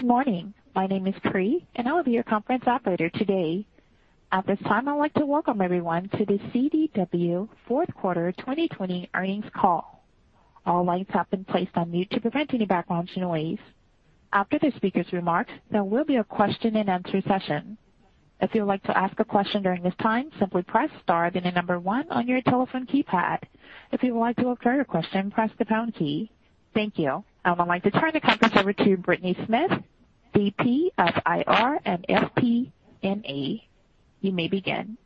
Good morning. My name is Pri, and I will be your conference operator today. At this time, I'd like to welcome everyone to the CDW fourth quarter 2020 earnings call. All lines have been placed on mute to prevent any background noise. After the speaker's remarks, there will be a question-and-answer session. If you'd like to ask a question during this time, simply press star then the number one on your telephone keypad. If you'd like to withdraw a question, press the pound key. Thank you. I would like to turn the conference over to Brittany Smith, VP of IR and FP&A. You may begin.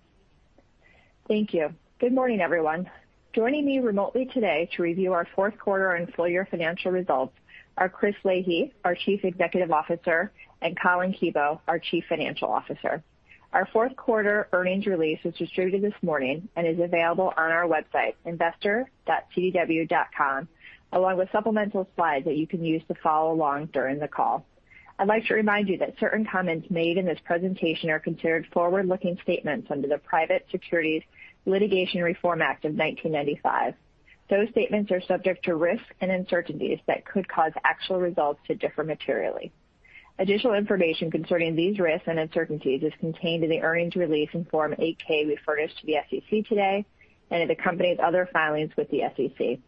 Thank you. Good morning, everyone. Joining me remotely today to review our fourth quarter and full-year financial results are Chris Leahy, our Chief Executive Officer, and Collin Kebo, our Chief Financial Officer. Our fourth quarter earnings release was distributed this morning and is available on our website, investor.cdw.com, along with supplemental slides that you can use to follow along during the call. I'd like to remind you that certain comments made in this presentation are considered forward-looking statements under the Private Securities Litigation Reform Act of 1995. Those statements are subject to risks and uncertainties that could cause actual results to differ materially. Additional information concerning these risks and uncertainties is contained in the earnings release in Form 8-K we furnished to the SEC today, and it accompanies other filings with the SEC.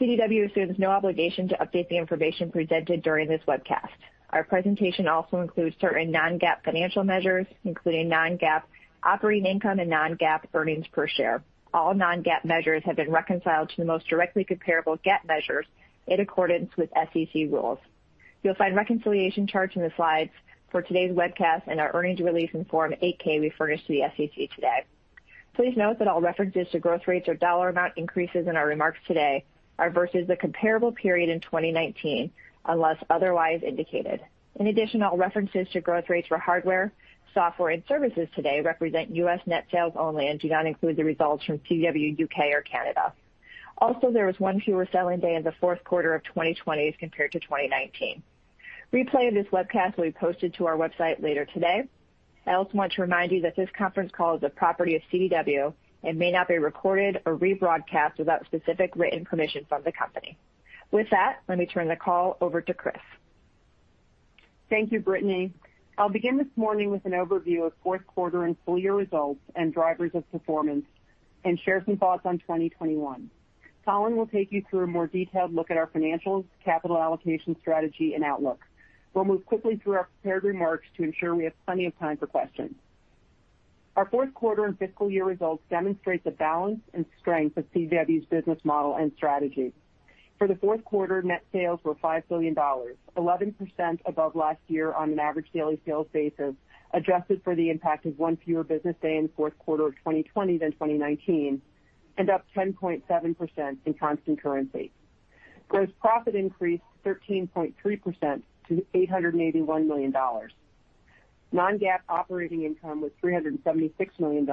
CDW assumes no obligation to update the information presented during this webcast. Our presentation also includes certain non-GAAP financial measures, including non-GAAP operating income and non-GAAP earnings per share. All non-GAAP measures have been reconciled to the most directly comparable GAAP measures in accordance with SEC rules. You'll find reconciliation charts in the slides for today's webcast and our earnings release in Form 8-K we furnished to the SEC today. Please note that all references to growth rates or dollar amount increases in our remarks today are versus the comparable period in 2019, unless otherwise indicated. In addition, all references to growth rates for hardware, software, and services today represent U.S. net sales only and do not include the results from CDW UK or Canada. Also, there was one fewer selling day in the fourth quarter of 2020 as compared to 2019. Replay of this webcast will be posted to our website later today. I also want to remind you that this conference call is the property of CDW and may not be recorded or rebroadcast without specific written permission from the company. With that, let me turn the call over to Chris. Thank you, Brittany. I'll begin this morning with an overview of fourth quarter and full-year results and drivers of performance and share some thoughts on 2021. Collin will take you through a more detailed look at our financials, capital allocation strategy, and outlook. We'll move quickly through our prepared remarks to ensure we have plenty of time for questions. Our fourth quarter and fiscal year results demonstrate the balance and strength of CDW's business model and strategy. For the fourth quarter, net sales were $5 billion, 11% above last year on an average daily sales basis, adjusted for the impact of one fewer business day in the fourth quarter of 2020 than 2019, and up 10.7% in constant currency. Gross profit increased 13.3% to $881 million. Non-GAAP operating income was $376 million,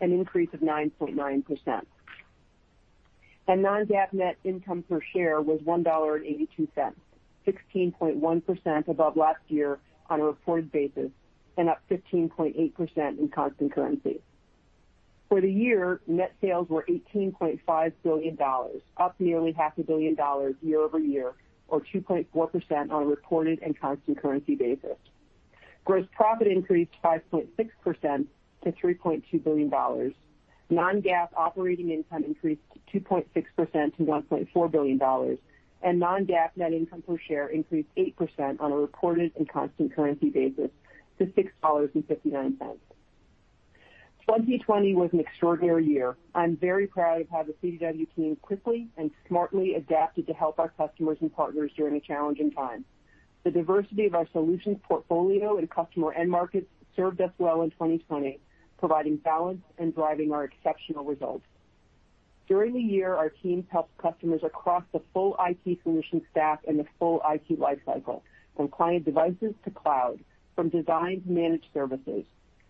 an increase of 9.9%. Non-GAAP net income per share was $1.82, 16.1% above last year on a reported basis, and up 15.8% in constant currency. For the year, net sales were $18.5 billion, up nearly $500 million year over year, or 2.4% on a reported and constant currency basis. Gross profit increased 5.6% to $3.2 billion. Non-GAAP operating income increased 2.6% to $1.4 billion, and non-GAAP net income per share increased 8% on a reported and constant currency basis to $6.59. 2020 was an extraordinary year. I'm very proud of how the CDW team quickly and smartly adapted to help our customers and partners during a challenging time. The diversity of our solutions portfolio and customer end markets served us well in 2020, providing balance and driving our exceptional results. During the year, our team helped customers across the full IT solution stack and the full IT lifecycle, from client devices to cloud, from design to managed services.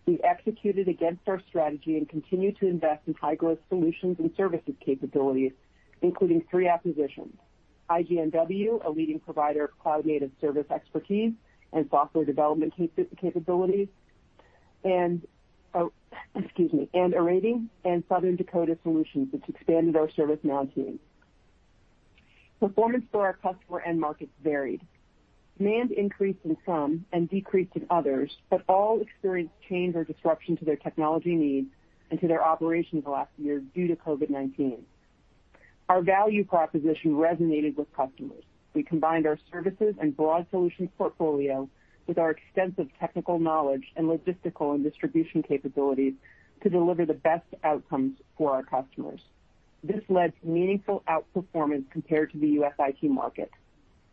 We executed against our strategy and continued to invest in high-growth solutions and services capabilities, including three acquisitions: IGNW, a leading provider of cloud-native service expertise and software development capabilities, and Aeritae and Scalar Decisions, which expanded our service management. Performance for our customer end markets varied. Demand increased in some and decreased in others, but all experienced change or disruption to their technology needs and to their operations last year due to COVID-19. Our value proposition resonated with customers. We combined our services and broad solution portfolio with our extensive technical knowledge and logistical and distribution capabilities to deliver the best outcomes for our customers. This led to meaningful outperformance compared to the U.S. IT market.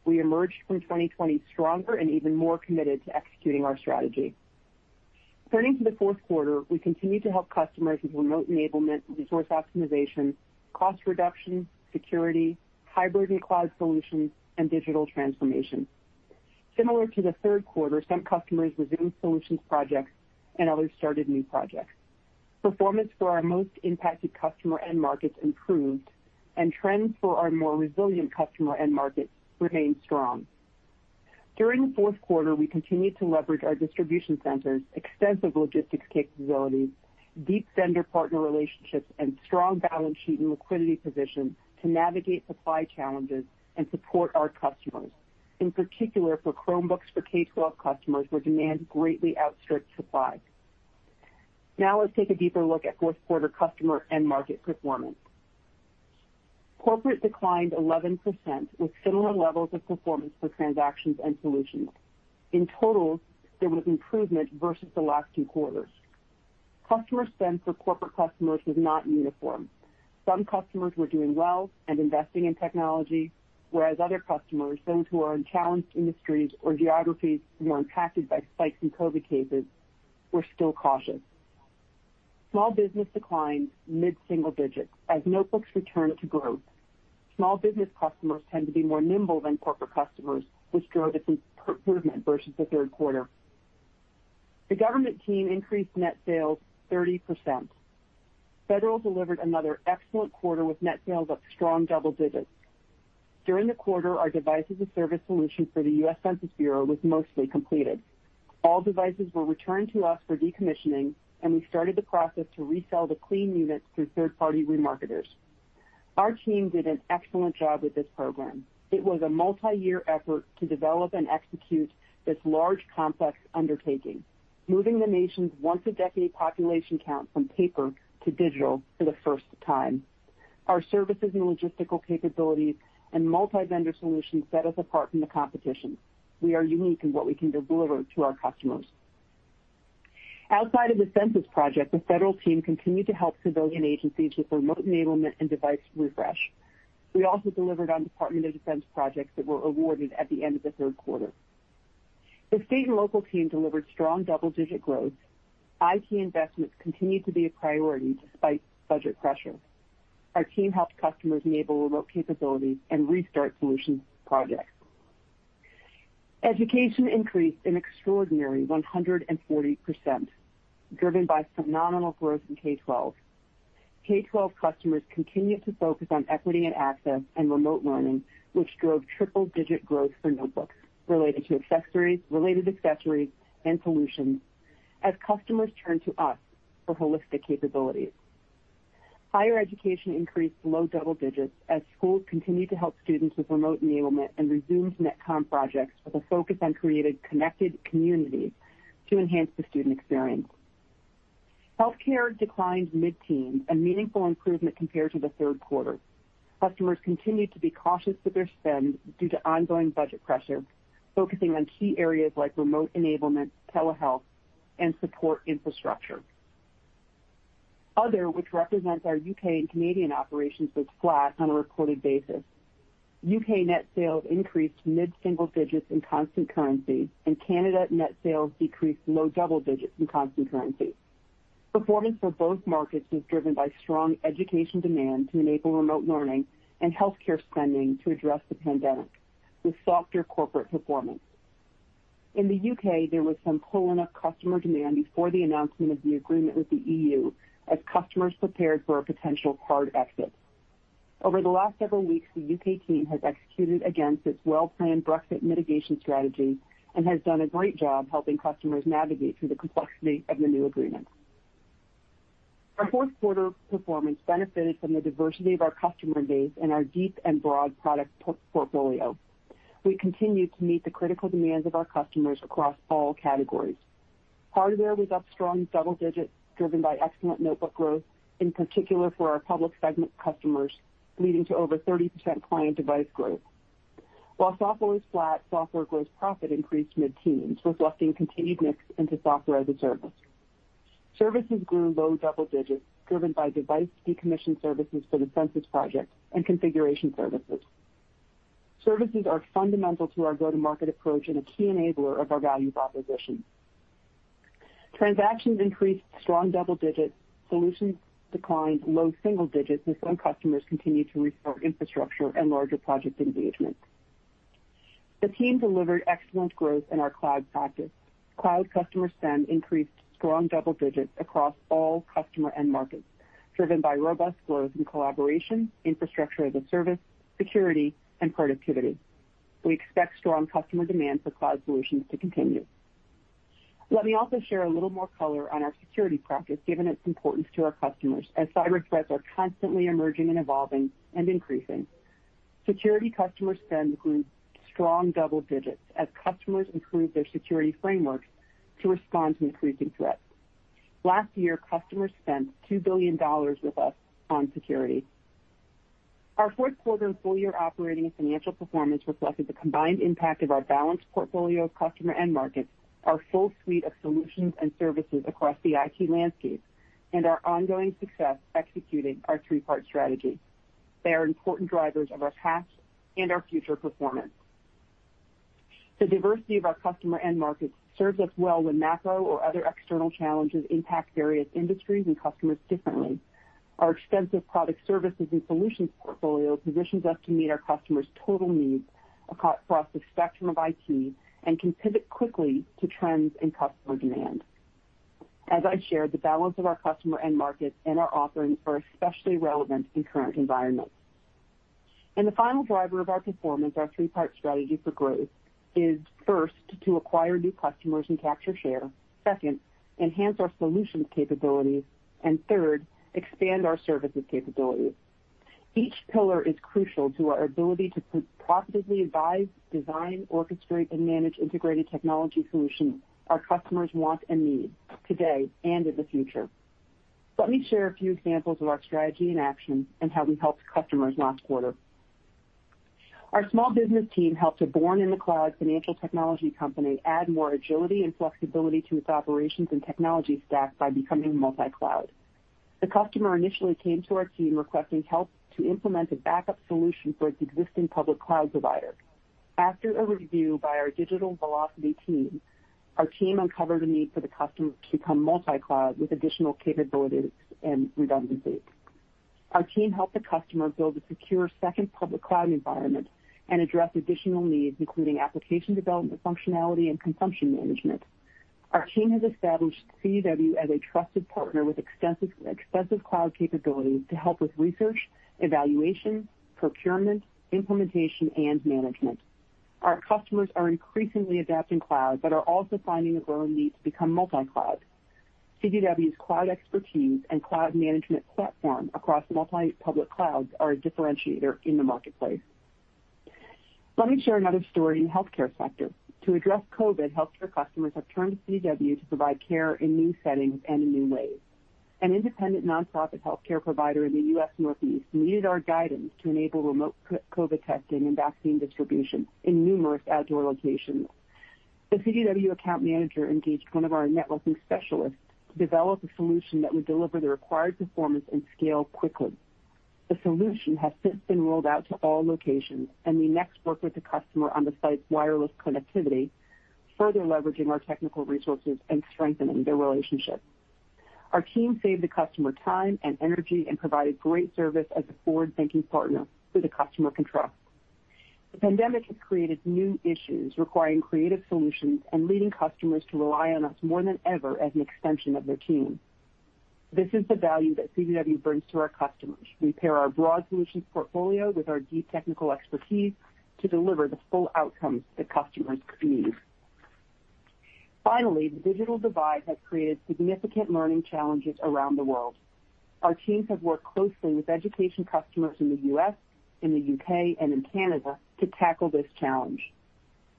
We emerged from 2020 stronger and even more committed to executing our strategy. Turning to the fourth quarter, we continued to help customers with remote enablement, resource optimization, cost reduction, security, hybrid and cloud solutions, and digital transformation. Similar to the third quarter, some customers resumed solutions projects and others started new projects. Performance for our most impacted customer end markets improved, and trends for our more resilient customer end markets remained strong. During the fourth quarter, we continued to leverage our distribution centers, extensive logistics capabilities, deep vendor partner relationships, and strong balance sheet and liquidity position to navigate supply challenges and support our customers, in particular for Chromebooks for K-12 customers where demand greatly outstripped supply. Now let's take a deeper look at fourth quarter customer end market performance. Corporate declined 11% with similar levels of performance for transactions and solutions. In total, there was improvement versus the last two quarters. Customer spend for corporate customers was not uniform. Some customers were doing well and investing in technology, whereas other customers, those who are in challenged industries or geographies who were impacted by spikes in COVID cases, were still cautious. Small business declined mid-single digits as notebooks returned to growth. Small business customers tend to be more nimble than corporate customers, which drove its improvement versus the third quarter. The government team increased net sales 30%. Federal delivered another excellent quarter with net sales of strong double digits. During the quarter, our devices and service solution for the U.S. Census Bureau was mostly completed. All devices were returned to us for decommissioning, and we started the process to resell the clean units through third-party remarketers. Our team did an excellent job with this program. It was a multi-year effort to develop and execute this large, complex undertaking, moving the nation's once-a-decade population count from paper to digital for the first time. Our services and logistical capabilities and multi-vendor solutions set us apart from the competition. We are unique in what we can deliver to our customers. Outside of the census project, the federal team continued to help civilian agencies with remote enablement and device refresh. We also delivered on Department of Defense projects that were awarded at the end of the third quarter. The state and local team delivered strong double-digit growth. IT investments continued to be a priority despite budget pressure. Our team helped customers enable remote capabilities and restart solutions projects. Education increased an extraordinary 140%, driven by phenomenal growth in K-12. K-12 customers continued to focus on equity and access and remote learning, which drove triple-digit growth for notebooks related to accessories, and solutions as customers turned to us for holistic capabilities. Higher education increased below double digits as schools continued to help students with remote enablement and resumed netcom projects with a focus on creating connected communities to enhance the student experience. Healthcare declined mid-teens, a meaningful improvement compared to the third quarter. Customers continued to be cautious with their spend due to ongoing budget pressure, focusing on key areas like remote enablement, telehealth, and support infrastructure. Other, which represents our U.K. and Canadian operations, was flat on a reported basis. U.K. net sales increased mid-single digits in constant currency, and Canada net sales decreased below double digits in constant currency. Performance for both markets was driven by strong education demand to enable remote learning and healthcare spending to address the pandemic, with softer corporate performance. In the UK, there was some pull-in of customer demand before the announcement of the agreement with the EU as customers prepared for a potential hard exit. Over the last several weeks, the UK team has executed against its well-planned Brexit mitigation strategy and has done a great job helping customers navigate through the complexity of the new agreement. Our fourth quarter performance benefited from the diversity of our customer base and our deep and broad product portfolio. We continued to meet the critical demands of our customers across all categories. Hardware was up strong double digits, driven by excellent notebook growth, in particular for our public segment customers, leading to over 30% client device growth. While software was flat, software gross profit increased mid-teens, reflecting continued mix into software as a service. Services grew below double digits, driven by device decommission services for the census project and configuration services. Services are fundamental to our go-to-market approach and a key enabler of our value proposition. Transactions increased strong double digits. Solutions declined below single digits, and some customers continued to restore infrastructure and larger project engagements. The team delivered excellent growth in our cloud practice. Cloud customer spend increased strong double digits across all customer end markets, driven by robust growth in collaboration, infrastructure as a service, security, and productivity. We expect strong customer demand for cloud solutions to continue. Let me also share a little more color on our security practice, given its importance to our customers, as cyber threats are constantly emerging and evolving and increasing. Security customer spend grew strong double digits as customers improved their security frameworks to respond to increasing threats. Last year, customers spent $2 billion with us on security. Our fourth quarter and full-year operating and financial performance reflected the combined impact of our balanced portfolio of customer end markets, our full suite of solutions and services across the IT landscape, and our ongoing success executing our three-part strategy. They are important drivers of our past and our future performance. The diversity of our customer end markets serves us well when macro or other external challenges impact various industries and customers differently. Our extensive products, services, and solutions portfolio positions us to meet our customers' total needs across the spectrum of IT and can pivot quickly to trends in customer demand. As I shared, the balance of our customer end markets and our offerings are especially relevant in current environments. And the final driver of our performance, our three-part strategy for growth, is first to acquire new customers and capture share, second, enhance our solutions capabilities, and third, expand our services capabilities. Each pillar is crucial to our ability to profitably advise, design, orchestrate, and manage integrated technology solutions our customers want and need today and in the future. Let me share a few examples of our strategy in action and how we helped customers last quarter. Our small business team helped a born-in-the-cloud financial technology company add more agility and flexibility to its operations and technology stack by becoming multi-cloud. The customer initially came to our team requesting help to implement a backup solution for its existing public cloud provider. After a review by our digital velocity team, our team uncovered a need for the customer to become multi-cloud with additional capabilities and redundancy. Our team helped the customer build a secure second public cloud environment and address additional needs, including application development functionality and consumption management. Our team has established CDW as a trusted partner with extensive cloud capabilities to help with research, evaluation, procurement, implementation, and management. Our customers are increasingly adopting cloud but are also finding a growing need to become multi-cloud. CDW's cloud expertise and cloud management platform across multi-public clouds are a differentiator in the marketplace. Let me share another story in the healthcare sector. To address COVID, healthcare customers have turned to CDW to provide care in new settings and in new ways. An independent nonprofit healthcare provider in the U.S. Northeast needed our guidance to enable remote COVID testing and vaccine distribution in numerous outdoor locations. The CDW account manager engaged one of our networking specialists to develop a solution that would deliver the required performance and scale quickly. The solution has since been rolled out to all locations, and we next work with the customer on the site's wireless connectivity, further leveraging our technical resources and strengthening their relationship. Our team saved the customer time and energy and provided great service as a forward-thinking partner who the customer can trust. The pandemic has created new issues requiring creative solutions and leading customers to rely on us more than ever as an extension of their team. This is the value that CDW brings to our customers. We pair our broad solutions portfolio with our deep technical expertise to deliver the full outcomes that customers need. Finally, the digital divide has created significant learning challenges around the world. Our teams have worked closely with education customers in the U.S., in the U.K., and in Canada to tackle this challenge.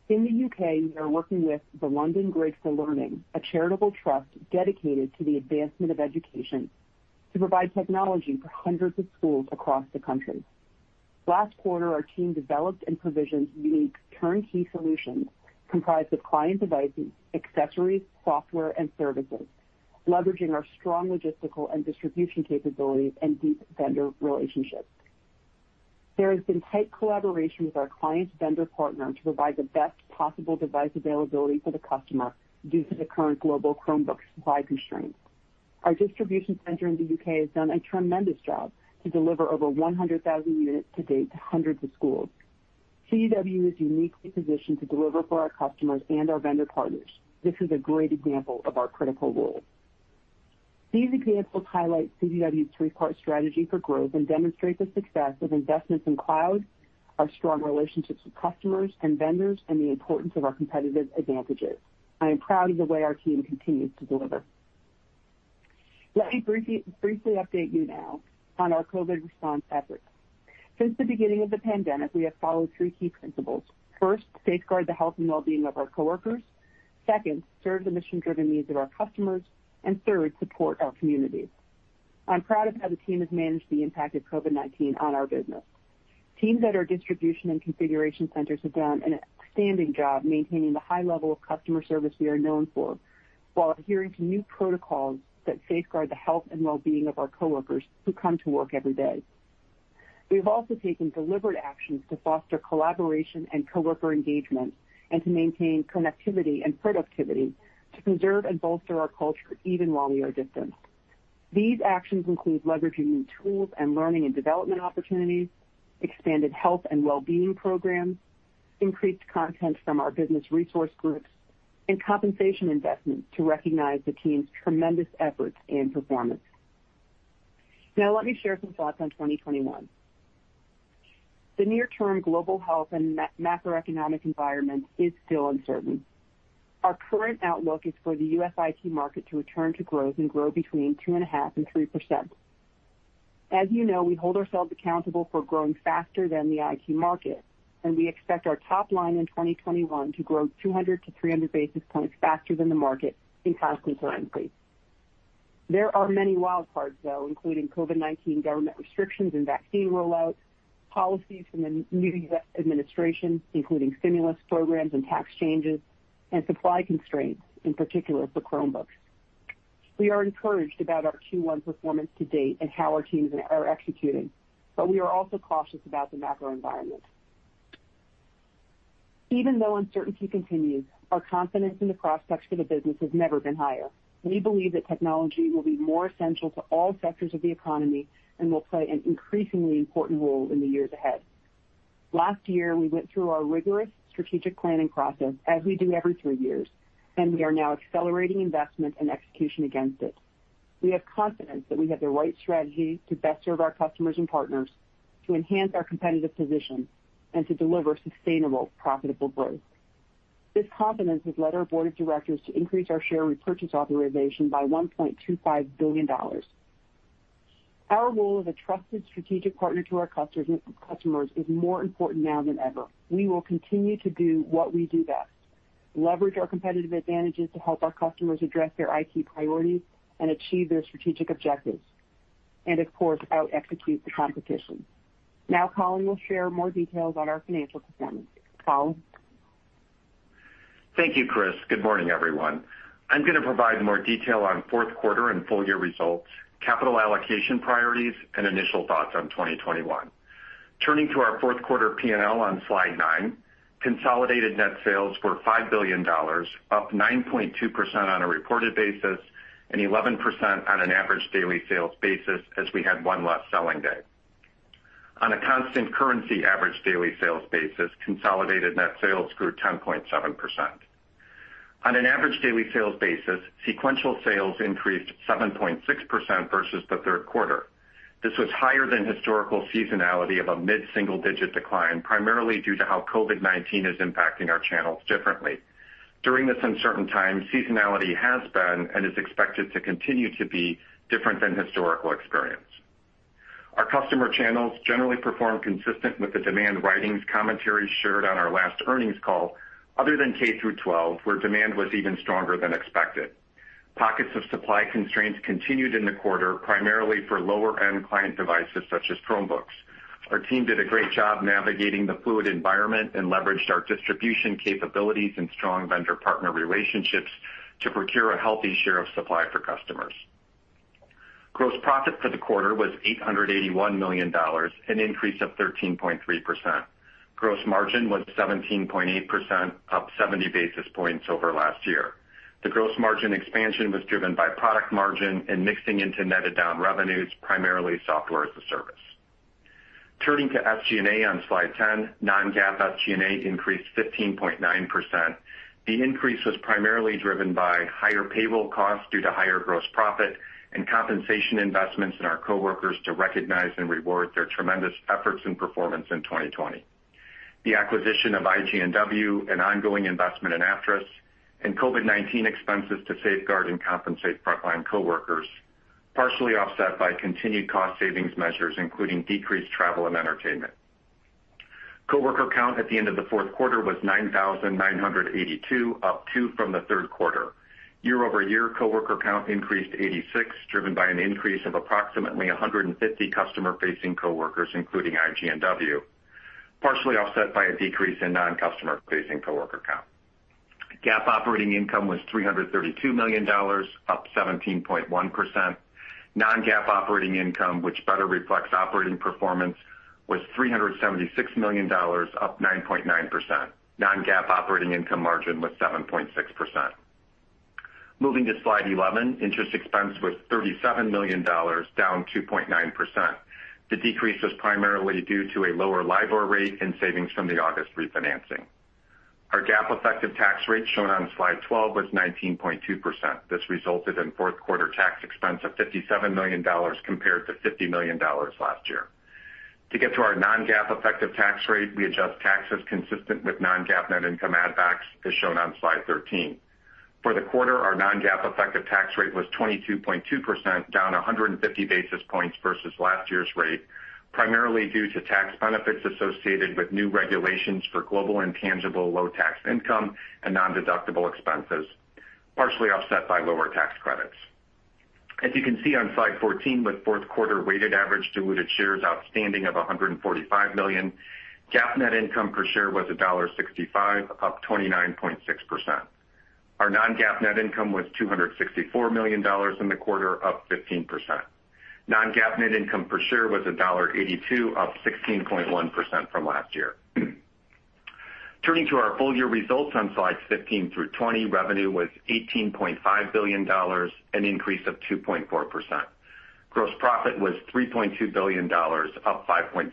In the U.K., we are working with the London Grid for Learning, a charitable trust dedicated to the advancement of education, to provide technology for hundreds of schools across the country. Last quarter, our team developed and provisioned unique turnkey solutions comprised of client devices, accessories, software, and services, leveraging our strong logistical and distribution capabilities and deep vendor relationships. There has been tight collaboration with our client vendor partner to provide the best possible device availability for the customer due to the current global Chromebook supply constraints. Our distribution center in the U.K. has done a tremendous job to deliver over 100,000 units to date to hundreds of schools. CDW is uniquely positioned to deliver for our customers and our vendor partners. This is a great example of our critical role. These examples highlight CDW's three-part strategy for growth and demonstrate the success of investments in cloud, our strong relationships with customers and vendors, and the importance of our competitive advantages. I am proud of the way our team continues to deliver. Let me briefly update you now on our COVID response efforts. Since the beginning of the pandemic, we have followed three key principles. First, safeguard the health and well-being of our coworkers. Second, serve the mission-driven needs of our customers. And third, support our communities. I'm proud of how the team has managed the impact of COVID-19 on our business. Teams at our distribution and configuration centers have done an outstanding job maintaining the high level of customer service we are known for while adhering to new protocols that safeguard the health and well-being of our coworkers who come to work every day. We have also taken deliberate actions to foster collaboration and coworker engagement and to maintain connectivity and productivity to preserve and bolster our culture even while we are distant. These actions include leveraging new tools and learning and development opportunities, expanded health and well-being programs, increased content from our business resource groups, and compensation investments to recognize the team's tremendous efforts and performance. Now, let me share some thoughts on 2021. The near-term global health and macroeconomic environment is still uncertain. Our current outlook is for the U.S. IT market to return to growth and grow between 2.5% and 3%. As you know, we hold ourselves accountable for growing faster than the IT market, and we expect our top line in 2021 to grow 200 to 300 basis points faster than the market in constant currency. There are many wild cards, though, including COVID-19 government restrictions and vaccine rollouts, policies from the new U.S. administration, including stimulus programs and tax changes, and supply constraints, in particular for Chromebooks. We are encouraged about our Q1 performance to date and how our teams are executing, but we are also cautious about the macro environment. Even though uncertainty continues, our confidence in the prospects for the business has never been higher. We believe that technology will be more essential to all sectors of the economy and will play an increasingly important role in the years ahead. Last year, we went through our rigorous strategic planning process, as we do every three years, and we are now accelerating investment and execution against it. We have confidence that we have the right strategy to best serve our customers and partners, to enhance our competitive position, and to deliver sustainable, profitable growth. This confidence has led our board of directors to increase our share repurchase authorization by $1.25 billion. Our role as a trusted strategic partner to our customers is more important now than ever. We will continue to do what we do best: leverage our competitive advantages to help our customers address their IT priorities and achieve their strategic objectives, and, of course, out-execute the competition. Now, Collin will share more details on our financial performance. Collin. Thank you, Chris. Good morning, everyone. I'm going to provide more detail on fourth quarter and full-year results, capital allocation priorities, and initial thoughts on 2021. Turning to our fourth quarter P&L on slide 9, consolidated net sales were $5 billion, up 9.2% on a reported basis and 11% on an average daily sales basis as we had one less selling day. On a constant currency average daily sales basis, consolidated net sales grew 10.7%. On an average daily sales basis, sequential sales increased 7.6% versus the third quarter. This was higher than historical seasonality of a mid-single-digit decline, primarily due to how COVID-19 is impacting our channels differently. During this uncertain time, seasonality has been and is expected to continue to be different than historical experience. Our customer channels generally performed consistent with the demand environment commentary shared on our last earnings call, other than K through 12, where demand was even stronger than expected. Pockets of supply constraints continued in the quarter, primarily for lower-end client devices such as Chromebooks. Our team did a great job navigating the fluid environment and leveraged our distribution capabilities and strong vendor partner relationships to procure a healthy share of supply for customers. Gross profit for the quarter was $881 million, an increase of 13.3%. Gross margin was 17.8%, up 70 basis points over last year. The gross margin expansion was driven by product margin and mixing into netted down revenues, primarily software as a service. Turning to SG&A on slide 10, non-GAAP SG&A increased 15.9%. The increase was primarily driven by higher payroll costs due to higher gross profit and compensation investments in our coworkers to recognize and reward their tremendous efforts and performance in 2020. The acquisition of IGNW and ongoing investment in Aptris and COVID-19 expenses to safeguard and compensate frontline coworkers partially offset by continued cost savings measures, including decreased travel and entertainment. Coworker count at the end of the fourth quarter was 9,982, up to two from the third quarter. Year-over-year, coworker count increased 86, driven by an increase of approximately 150 customer-facing coworkers, including IGNW, partially offset by a decrease in non-customer-facing coworker count. GAAP operating income was $332 million, up 17.1%. Non-GAAP operating income, which better reflects operating performance, was $376 million, up 9.9%. Non-GAAP operating income margin was 7.6%. Moving to slide 11, interest expense was $37 million, down 2.9%. The decrease was primarily due to a lower LIBOR rate and savings from the August refinancing. Our GAAP effective tax rate shown on slide 12 was 19.2%. This resulted in fourth quarter tax expense of $57 million compared to $50 million last year. To get to our non-GAAP effective tax rate, we adjust taxes consistent with non-GAAP net income add-backs, as shown on slide 13. For the quarter, our non-GAAP effective tax rate was 22.2%, down 150 basis points versus last year's rate, primarily due to tax benefits associated with new regulations for Global Intangible Low-Taxed Income and non-deductible expenses, partially offset by lower tax credits. As you can see on slide 14, with fourth quarter weighted average diluted shares outstanding of 145 million, GAAP net income per share was $1.65, up 29.6%. Our non-GAAP net income was $264 million in the quarter, up 15%. Non-GAAP net income per share was $1.82, up 16.1% from last year. Turning to our full-year results on slides 15 through 20, revenue was $18.5 billion, an increase of 2.4%. Gross profit was $3.2 billion, up 5.6%.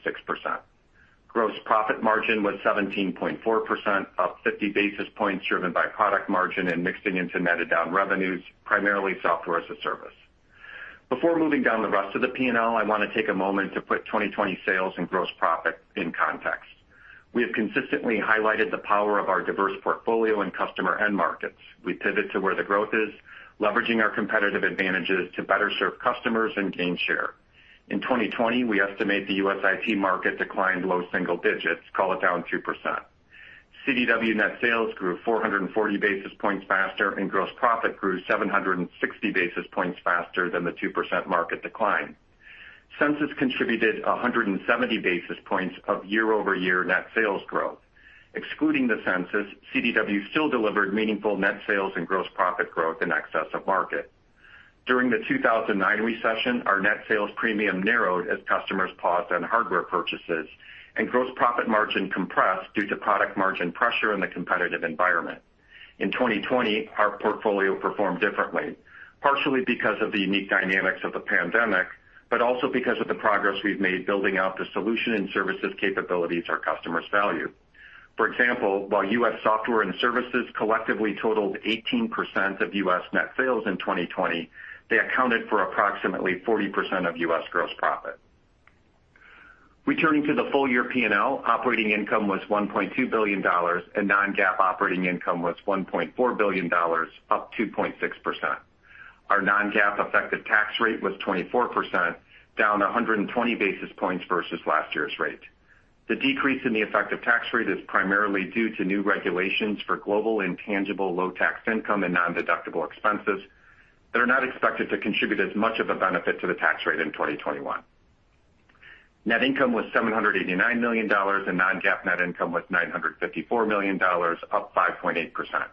Gross profit margin was 17.4%, up 50 basis points, driven by product margin and mixing into netted down revenues, primarily software as a service. Before moving down the rest of the P&L, I want to take a moment to put 2020 sales and gross profit in context. We have consistently highlighted the power of our diverse portfolio in customer and markets. We pivot to where the growth is, leveraging our competitive advantages to better serve customers and gain share. In 2020, we estimate the U.S. IT market declined low single digits, call it down 2%. CDW net sales grew 440 basis points faster, and gross profit grew 760 basis points faster than the 2% market decline. Census contributed 170 basis points of year-over-year net sales growth. Excluding the census, CDW still delivered meaningful net sales and gross profit growth in excess of market. During the 2009 recession, our net sales premium narrowed as customers paused on hardware purchases, and gross profit margin compressed due to product margin pressure in the competitive environment. In 2020, our portfolio performed differently, partially because of the unique dynamics of the pandemic, but also because of the progress we've made building out the solution and services capabilities our customers value. For example, while U.S. software and services collectively totaled 18% of U.S. net sales in 2020, they accounted for approximately 40% of U.S. gross profit. Returning to the full-year P&L, operating income was $1.2 billion, and non-GAAP operating income was $1.4 billion, up 2.6%. Our non-GAAP effective tax rate was 24%, down 120 basis points versus last year's rate. The decrease in the effective tax rate is primarily due to new regulations for global intangible low-tax income and non-deductible expenses that are not expected to contribute as much of a benefit to the tax rate in 2021. Net income was $789 million, and non-GAAP net income was $954 million, up 5.8%.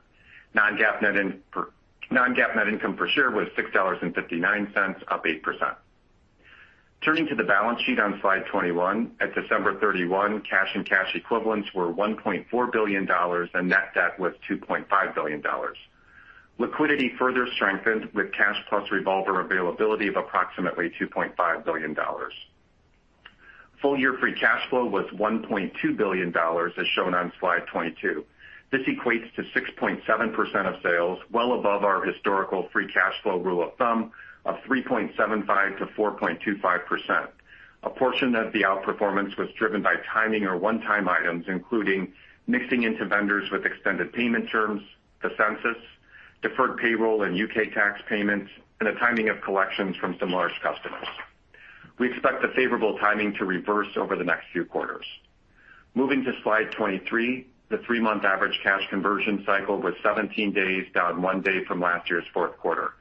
Non-GAAP net income per share was $6.59, up 8%. Turning to the balance sheet on slide 21, at December 31, cash and cash equivalents were $1.4 billion, and net debt was $2.5 billion. Liquidity further strengthened with cash plus revolver availability of approximately $2.5 billion. Full-year free cash flow was $1.2 billion, as shown on slide 22. This equates to 6.7% of sales, well above our historical free cash flow rule of thumb of 3.75% to 4.25%. A portion of the outperformance was driven by timing or one-time items, including mixing into vendors with extended payment terms, the census, deferred payroll and UK tax payments, and the timing of collections from some large customers. We expect the favorable timing to reverse over the next few quarters. Moving to slide 23, the three-month average cash conversion cycle was 17 days, down one day from last year's fourth quarter.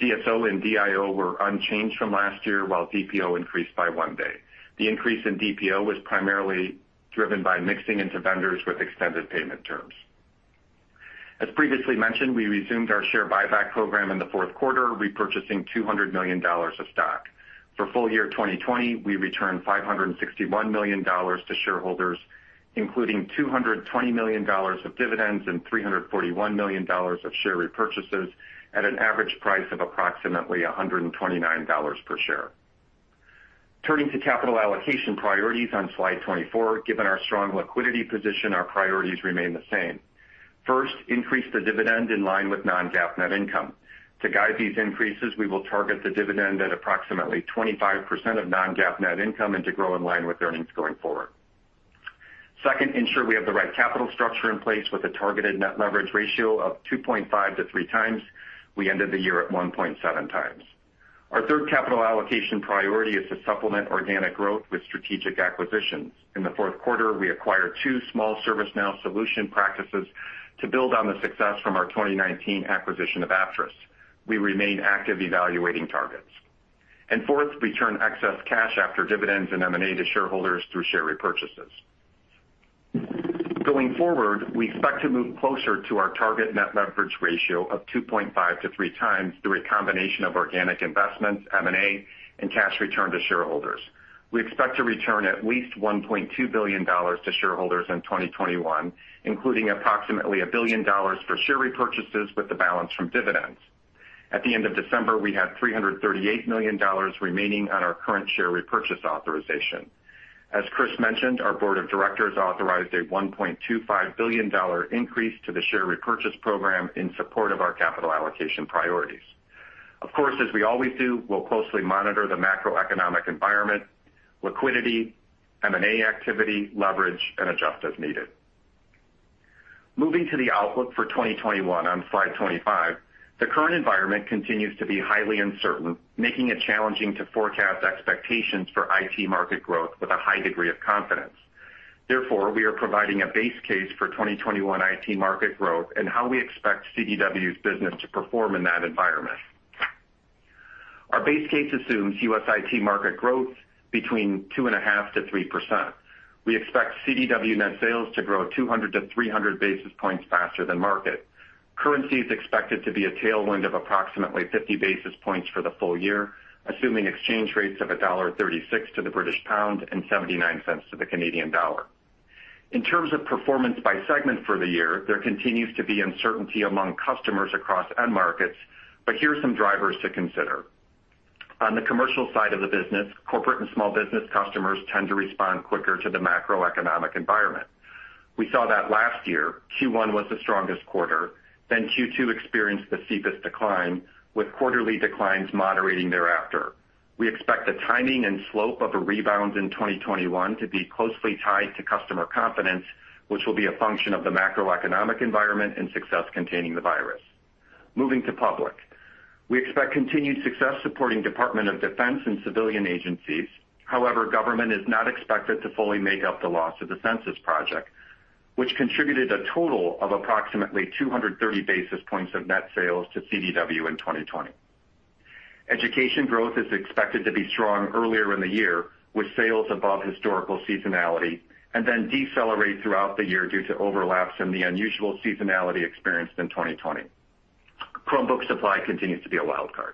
DSO and DIO were unchanged from last year, while DPO increased by one day. The increase in DPO was primarily driven by mixing into vendors with extended payment terms. As previously mentioned, we resumed our share buyback program in the fourth quarter, repurchasing $200 million of stock. For full-year 2020, we returned $561 million to shareholders, including $220 million of dividends and $341 million of share repurchases at an average price of approximately $129 per share. Turning to capital allocation priorities on slide 24, given our strong liquidity position, our priorities remain the same. First, increase the dividend in line with non-GAAP net income. To guide these increases, we will target the dividend at approximately 25% of non-GAAP net income and to grow in line with earnings going forward. Second, ensure we have the right capital structure in place with a targeted net leverage ratio of 2.5-3 times. We ended the year at 1.7 times. Our third capital allocation priority is to supplement organic growth with strategic acquisitions. In the fourth quarter, we acquired two small ServiceNow solution practices to build on the success from our 2019 acquisition of Aptris. We remain active evaluating targets, and fourth, return excess cash after dividends and M&A to shareholders through share repurchases. Going forward, we expect to move closer to our target net leverage ratio of 2.5 to 3 times through a combination of organic investments, M&A, and cash return to shareholders. We expect to return at least $1.2 billion to shareholders in 2021, including approximately $1 billion for share repurchases with the balance from dividends. At the end of December, we had $338 million remaining on our current share repurchase authorization. As Chris mentioned, our board of directors authorized a $1.25 billion increase to the share repurchase program in support of our capital allocation priorities. Of course, as we always do, we'll closely monitor the macroeconomic environment, liquidity, M&A activity, leverage, and adjust as needed. Moving to the outlook for 2021 on slide 25, the current environment continues to be highly uncertain, making it challenging to forecast expectations for IT market growth with a high degree of confidence. Therefore, we are providing a base case for 2021 IT market growth and how we expect CDW's business to perform in that environment. Our base case assumes U.S. IT market growth between 2.5% to 3%. We expect CDW net sales to grow 200 to 300 basis points faster than market. Currency is expected to be a tailwind of approximately 50 basis points for the full year, assuming exchange rates of $1.36 to the British pound and $0.79 to the Canadian dollar. In terms of performance by segment for the year, there continues to be uncertainty among customers across end markets, but here are some drivers to consider. On the commercial side of the business, corporate and small business customers tend to respond quicker to the macroeconomic environment. We saw that last year. Q1 was the strongest quarter. Then Q2 experienced the steepest decline, with quarterly declines moderating thereafter. We expect the timing and slope of a rebound in 2021 to be closely tied to customer confidence, which will be a function of the macroeconomic environment and success containing the virus. Moving to public, we expect continued success supporting Department of Defense and civilian agencies. However, government is not expected to fully make up the loss of the census project, which contributed a total of approximately 230 basis points of net sales to CDW in 2020. Education growth is expected to be strong earlier in the year, with sales above historical seasonality, and then decelerate throughout the year due to overlaps in the unusual seasonality experienced in 2020. Chromebook supply continues to be a wildcard.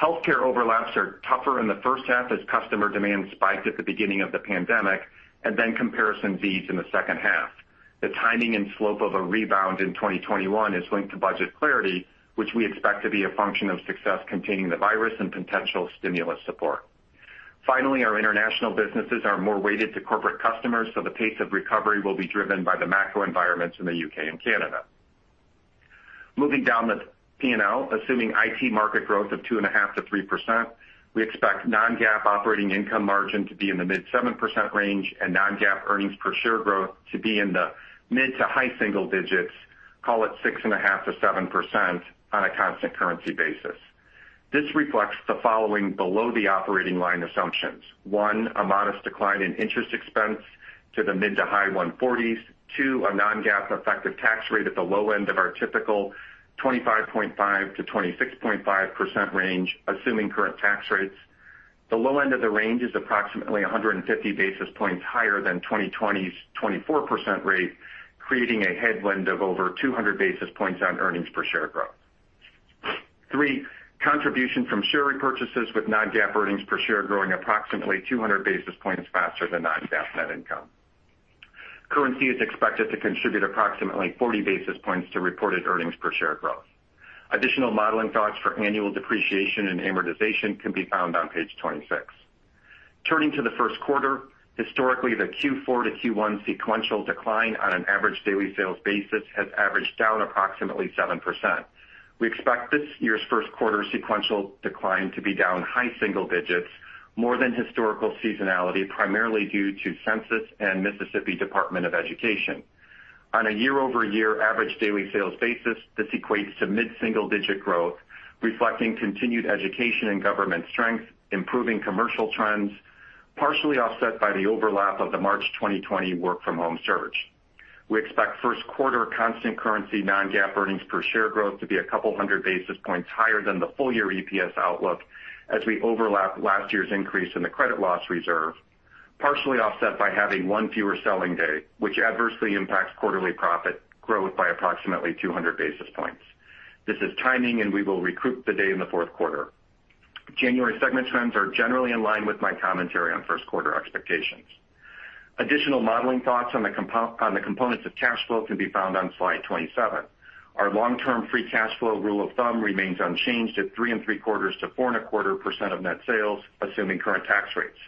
Healthcare overlaps are tougher in the first half, as customer demand spiked at the beginning of the pandemic, and then comparison feeds in the second half. The timing and slope of a rebound in 2021 is linked to budget clarity, which we expect to be a function of success containing the virus and potential stimulus support. Finally, our international businesses are more weighted to corporate customers, so the pace of recovery will be driven by the macro environments in the U.K. and Canada. Moving down the P&L, assuming IT market growth of 2.5% to 3%, we expect non-GAAP operating income margin to be in the mid-7% range and non-GAAP earnings per share growth to be in the mid to high single digits, call it 6.5% to 7% on a constant currency basis. This reflects the following below-the-operating-line assumptions: one, a modest decline in interest expense to the mid to high 140s; two, a non-GAAP effective tax rate at the low end of our typical 25.5% to 26.5% range, assuming current tax rates. The low end of the range is approximately 150 basis points higher than 2020's 24% rate, creating a headwind of over 200 basis points on earnings per share growth. Three, contribution from share repurchases with non-GAAP earnings per share growing approximately 200 basis points faster than non-GAAP net income. Currency is expected to contribute approximately 40 basis points to reported earnings per share growth. Additional modeling thoughts for annual depreciation and amortization can be found on page 26. Turning to the first quarter, historically, the Q4 to Q1 sequential decline on an average daily sales basis has averaged down approximately 7%. We expect this year's first quarter sequential decline to be down high single digits, more than historical seasonality, primarily due to Census and Mississippi Department of Education. On a year-over-year average daily sales basis, this equates to mid-single digit growth, reflecting continued education and government strength, improving commercial trends, partially offset by the overlap of the March 2020 work-from-home surge. We expect first quarter constant currency non-GAAP earnings per share growth to be a couple hundred basis points higher than the full-year EPS outlook as we overlap last year's increase in the credit loss reserve, partially offset by having one fewer selling day, which adversely impacts quarterly profit growth by approximately 200 basis points. This is timing, and we will recoup the day in the fourth quarter. January segment trends are generally in line with my commentary on first quarter expectations. Additional modeling thoughts on the components of cash flow can be found on slide 27. Our long-term free cash flow rule of thumb remains unchanged at 3.75% to 4.25% of net sales, assuming current tax rates.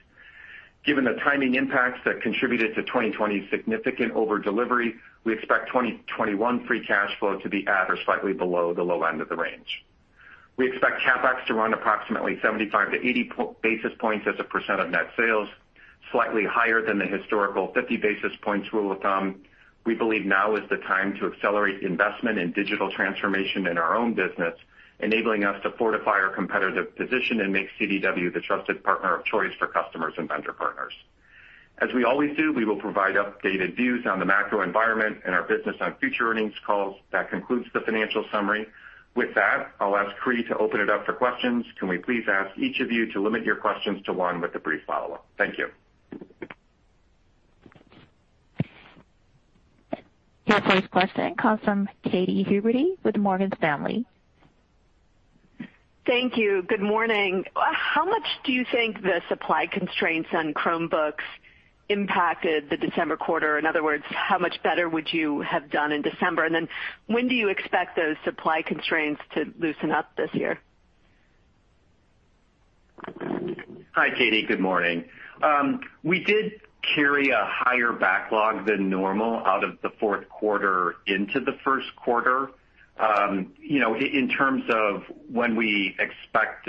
Given the timing impacts that contributed to 2020's significant overdelivery, we expect 2021 free cash flow to be at or slightly below the low end of the range. We expect CapEx to run approximately 75-80 basis points as a percent of net sales, slightly higher than the historical 50 basis points rule of thumb. We believe now is the time to accelerate investment in digital transformation in our own business, enabling us to fortify our competitive position and make CDW the trusted partner of choice for customers and vendor partners. As we always do, we will provide updated views on the macro environment and our business on future earnings calls. That concludes the financial summary. With that, I'll ask Pri to open it up for questions. Can we please ask each of you to limit your questions to one with a brief follow-up? Thank you. Your first question comes from Katy Huberty with Morgan Stanley. Thank you. Good morning. How much do you think the supply constraints on Chromebooks impacted the December quarter? In other words, how much better would you have done in December? And then when do you expect those supply constraints to loosen up this year? Hi, Katie. Good morning. We did carry a higher backlog than normal out of the fourth quarter into the first quarter. In terms of when we expect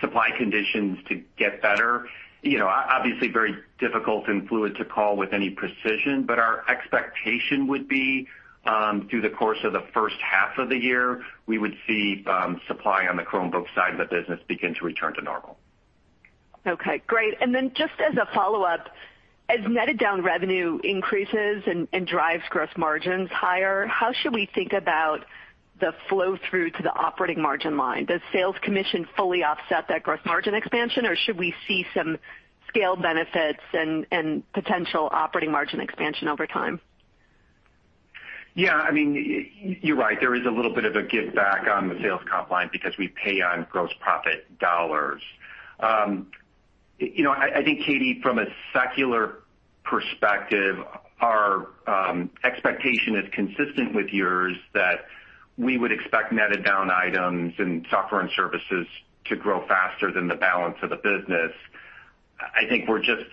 supply conditions to get better, obviously very difficult and fluid to call with any precision, but our expectation would be through the course of the first half of the year, we would see supply on the Chromebook side of the business begin to return to normal. Okay. Great. And then just as a follow-up, as netted down revenue increases and drives gross margins higher, how should we think about the flow through to the operating margin line? Does sales commission fully offset that gross margin expansion, or should we see some scale benefits and potential operating margin expansion over time? Yeah. I mean, you're right. There is a little bit of a give back on the sales comp line because we pay on gross profit dollars. I think, Katie, from a secular perspective, our expectation is consistent with yours that we would expect netted down items and software and services to grow faster than the balance of the business. I think we're just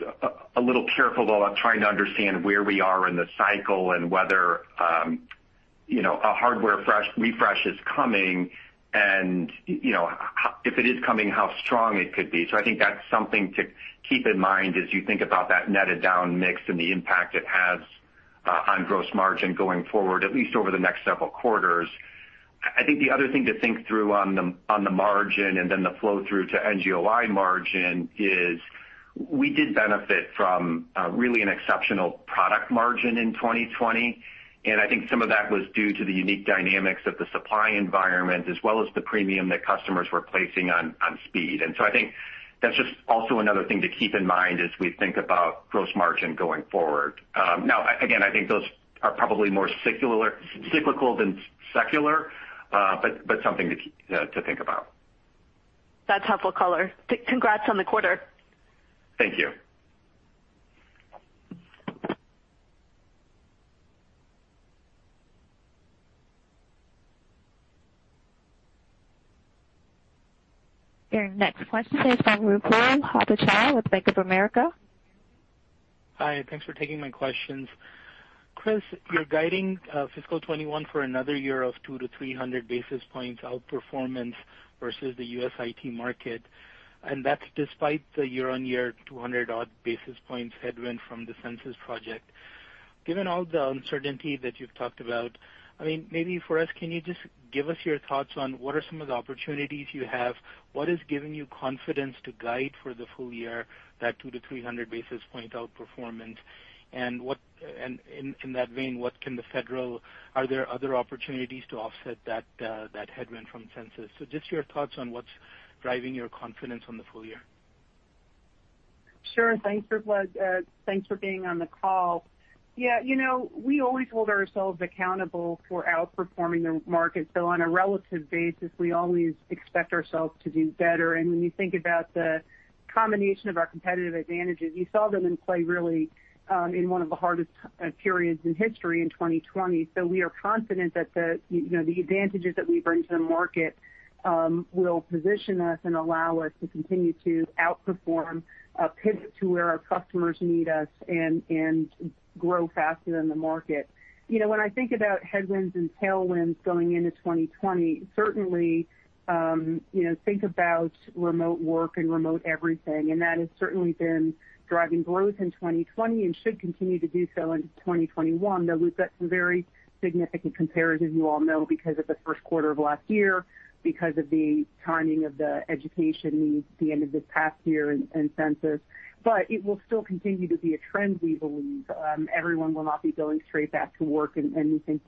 a little careful while trying to understand where we are in the cycle and whether a hardware refresh is coming, and if it is coming, how strong it could be. So I think that's something to keep in mind as you think about that netted down mix and the impact it has on gross margin going forward, at least over the next several quarters. I think the other thing to think through on the margin and then the flow through to NGOI margin is we did benefit from really an exceptional product margin in 2020, and I think some of that was due to the unique dynamics of the supply environment as well as the premium that customers were placing on speed. And so I think that's just also another thing to keep in mind as we think about gross margin going forward. Now, again, I think those are probably more cyclical than secular, but something to think about. That's helpful color. Congrats on the quarter. Thank you. Your next question is from Ruplu Bhattacharya with Bank of America. Hi. Thanks for taking my questions. Chris, you're guiding fiscal 2021 for another year of 200 to 300 basis points outperformance versus the U.S. IT market, and that's despite the year-on-year 200-odd basis points headwind from the census project. Given all the uncertainty that you've talked about, I mean, maybe for us, can you just give us your thoughts on what are some of the opportunities you have? What is giving you confidence to guide for the full year that 200 to 300 basis points outperformance? And in that vein, what can the federal, are there other opportunities to offset that headwind from census? So just your thoughts on what's driving your confidence on the full year. Sure. Thanks for being on the call. Yeah. You know, we always hold ourselves accountable for outperforming the market. So on a relative basis, we always expect ourselves to do better, and when you think about the combination of our competitive advantages, you saw them in play really in one of the hardest periods in history in 2020, so we are confident that the advantages that we bring to the market will position us and allow us to continue to outperform, pivot to where our customers need us, and grow faster than the market. You know, when I think about headwinds and tailwinds going into 2020, certainly think about remote work and remote everything. And that has certainly been driving growth in 2020 and should continue to do so into 2021, though we've got some very significant comparisons, you all know, because of the first quarter of last year, because of the timing of the education needs at the end of this past year and census. But it will still continue to be a trend, we believe. Everyone will not be going straight back to work, and we think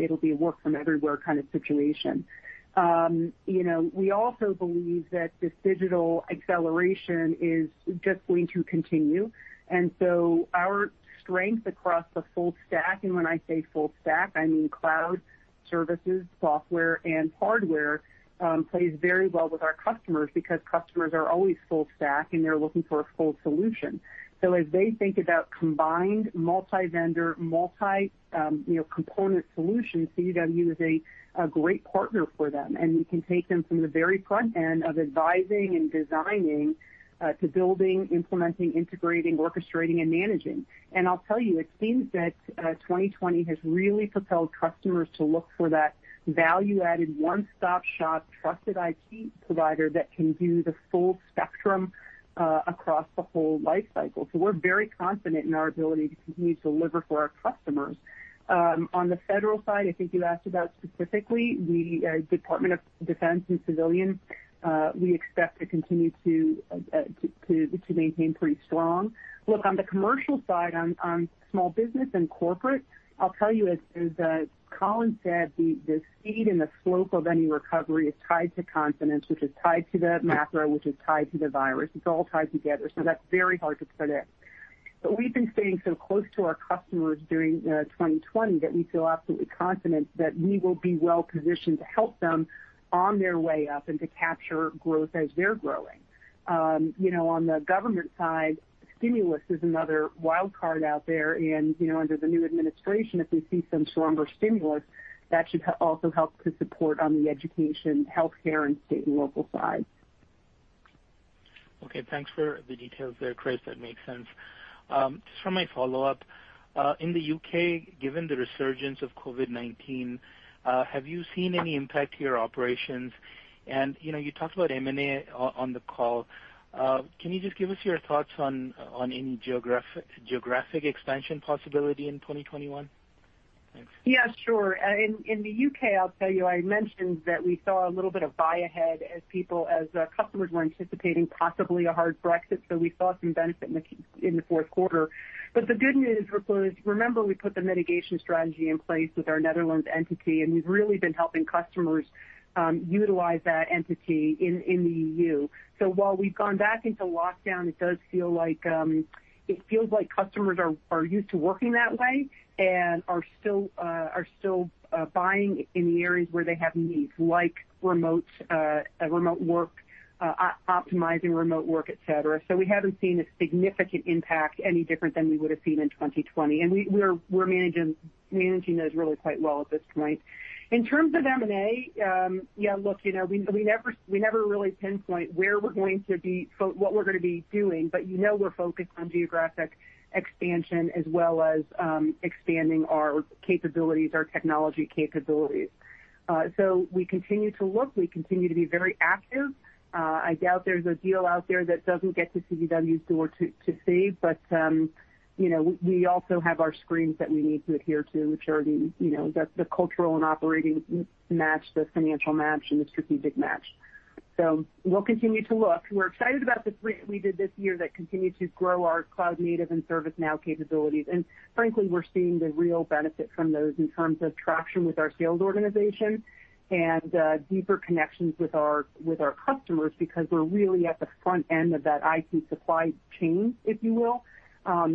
it'll be a work-from-everywhere kind of situation. We also believe that this digital acceleration is just going to continue. And so our strength across the full stack (and when I say full stack, I mean cloud, services, software, and hardware) plays very well with our customers because customers are always full stack, and they're looking for a full solution. So as they think about combined multi-vendor, multi-component solutions, CDW is a great partner for them. We can take them from the very front end of advising and designing to building, implementing, integrating, orchestrating, and managing. I'll tell you, it seems that 2020 has really propelled customers to look for that value-added, one-stop-shop, trusted IT provider that can do the full spectrum across the whole life cycle. We're very confident in our ability to continue to deliver for our customers. On the federal side, I think you asked about specifically, the Department of Defense and civilian. We expect to continue to maintain pretty strong. Look, on the commercial side, on small business and corporate, I'll tell you, as Collin said, the speed and the slope of any recovery is tied to confidence, which is tied to the macro, which is tied to the virus. It's all tied together. That's very hard to predict. But we've been staying so close to our customers during 2020 that we feel absolutely confident that we will be well-positioned to help them on their way up and to capture growth as they're growing. On the government side, stimulus is another wildcard out there. And under the new administration, if we see some more stimulus, that should also help to support on the education, healthcare, and state and local side. Okay. Thanks for the details there, Chris. That makes sense. Just for my follow-up, in the UK, given the resurgence of COVID-19, have you seen any impact to your operations? And you talked about M&A on the call. Can you just give us your thoughts on any geographic expansion possibility in 2021? Yeah. Sure. In the U.K., I'll tell you, I mentioned that we saw a little bit of buy-ahead as customers were anticipating possibly a hard Brexit. So we saw some benefit in the fourth quarter. But the good news was, remember, we put the mitigation strategy in place with our Netherlands entity, and we've really been helping customers utilize that entity in the E.U. So while we've gone back into lockdown, it does feel like customers are used to working that way and are still buying in the areas where they have needs, like remote work, optimizing remote work, etc. So we haven't seen a significant impact any different than we would have seen in 2020. And we're managing those really quite well at this point. In terms of M&A, yeah, look, we never really pinpoint where we're going to be what we're going to be doing, but we're focused on geographic expansion as well as expanding our capabilities, our technology capabilities. So we continue to look. We continue to be very active. I doubt there's a deal out there that doesn't get to CDW's door to see, but we also have our screens that we need to adhere to, which are the cultural and operating match, the financial match, and the strategic match. So we'll continue to look. We're excited about the three that we did this year that continue to grow our cloud-native and ServiceNow capabilities. And frankly, we're seeing the real benefit from those in terms of traction with our sales organization and deeper connections with our customers because we're really at the front end of that IT supply chain, if you will,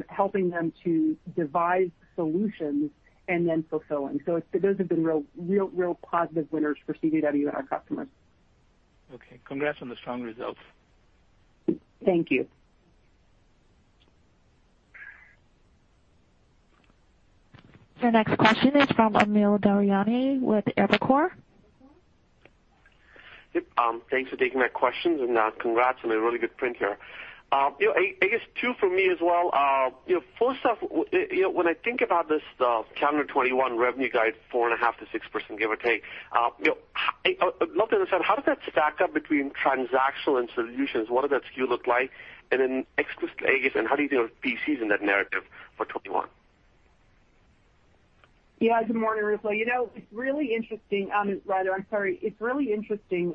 helping them to devise solutions and then fulfilling. So those have been real, real positive winners for CDW and our customers. Okay. Congrats on the strong results. Thank you. Your next question is from Amit Daryanani with Evercore ISI. Thanks for taking my questions. And congrats. I'm a repeat offender. I guess two for me as well. First off, when I think about this calendar 2021 revenue guide, 4.5% to 6%, give or take, I'd love to understand how does that stack up between transactional and solutions? What does that mix look like? And then explicitly, I guess, how do you think of PCs in that narrative for 2021? Yeah. Good morning, Ruplu. It's really interesting, Ruplu. I'm sorry. It's really interesting.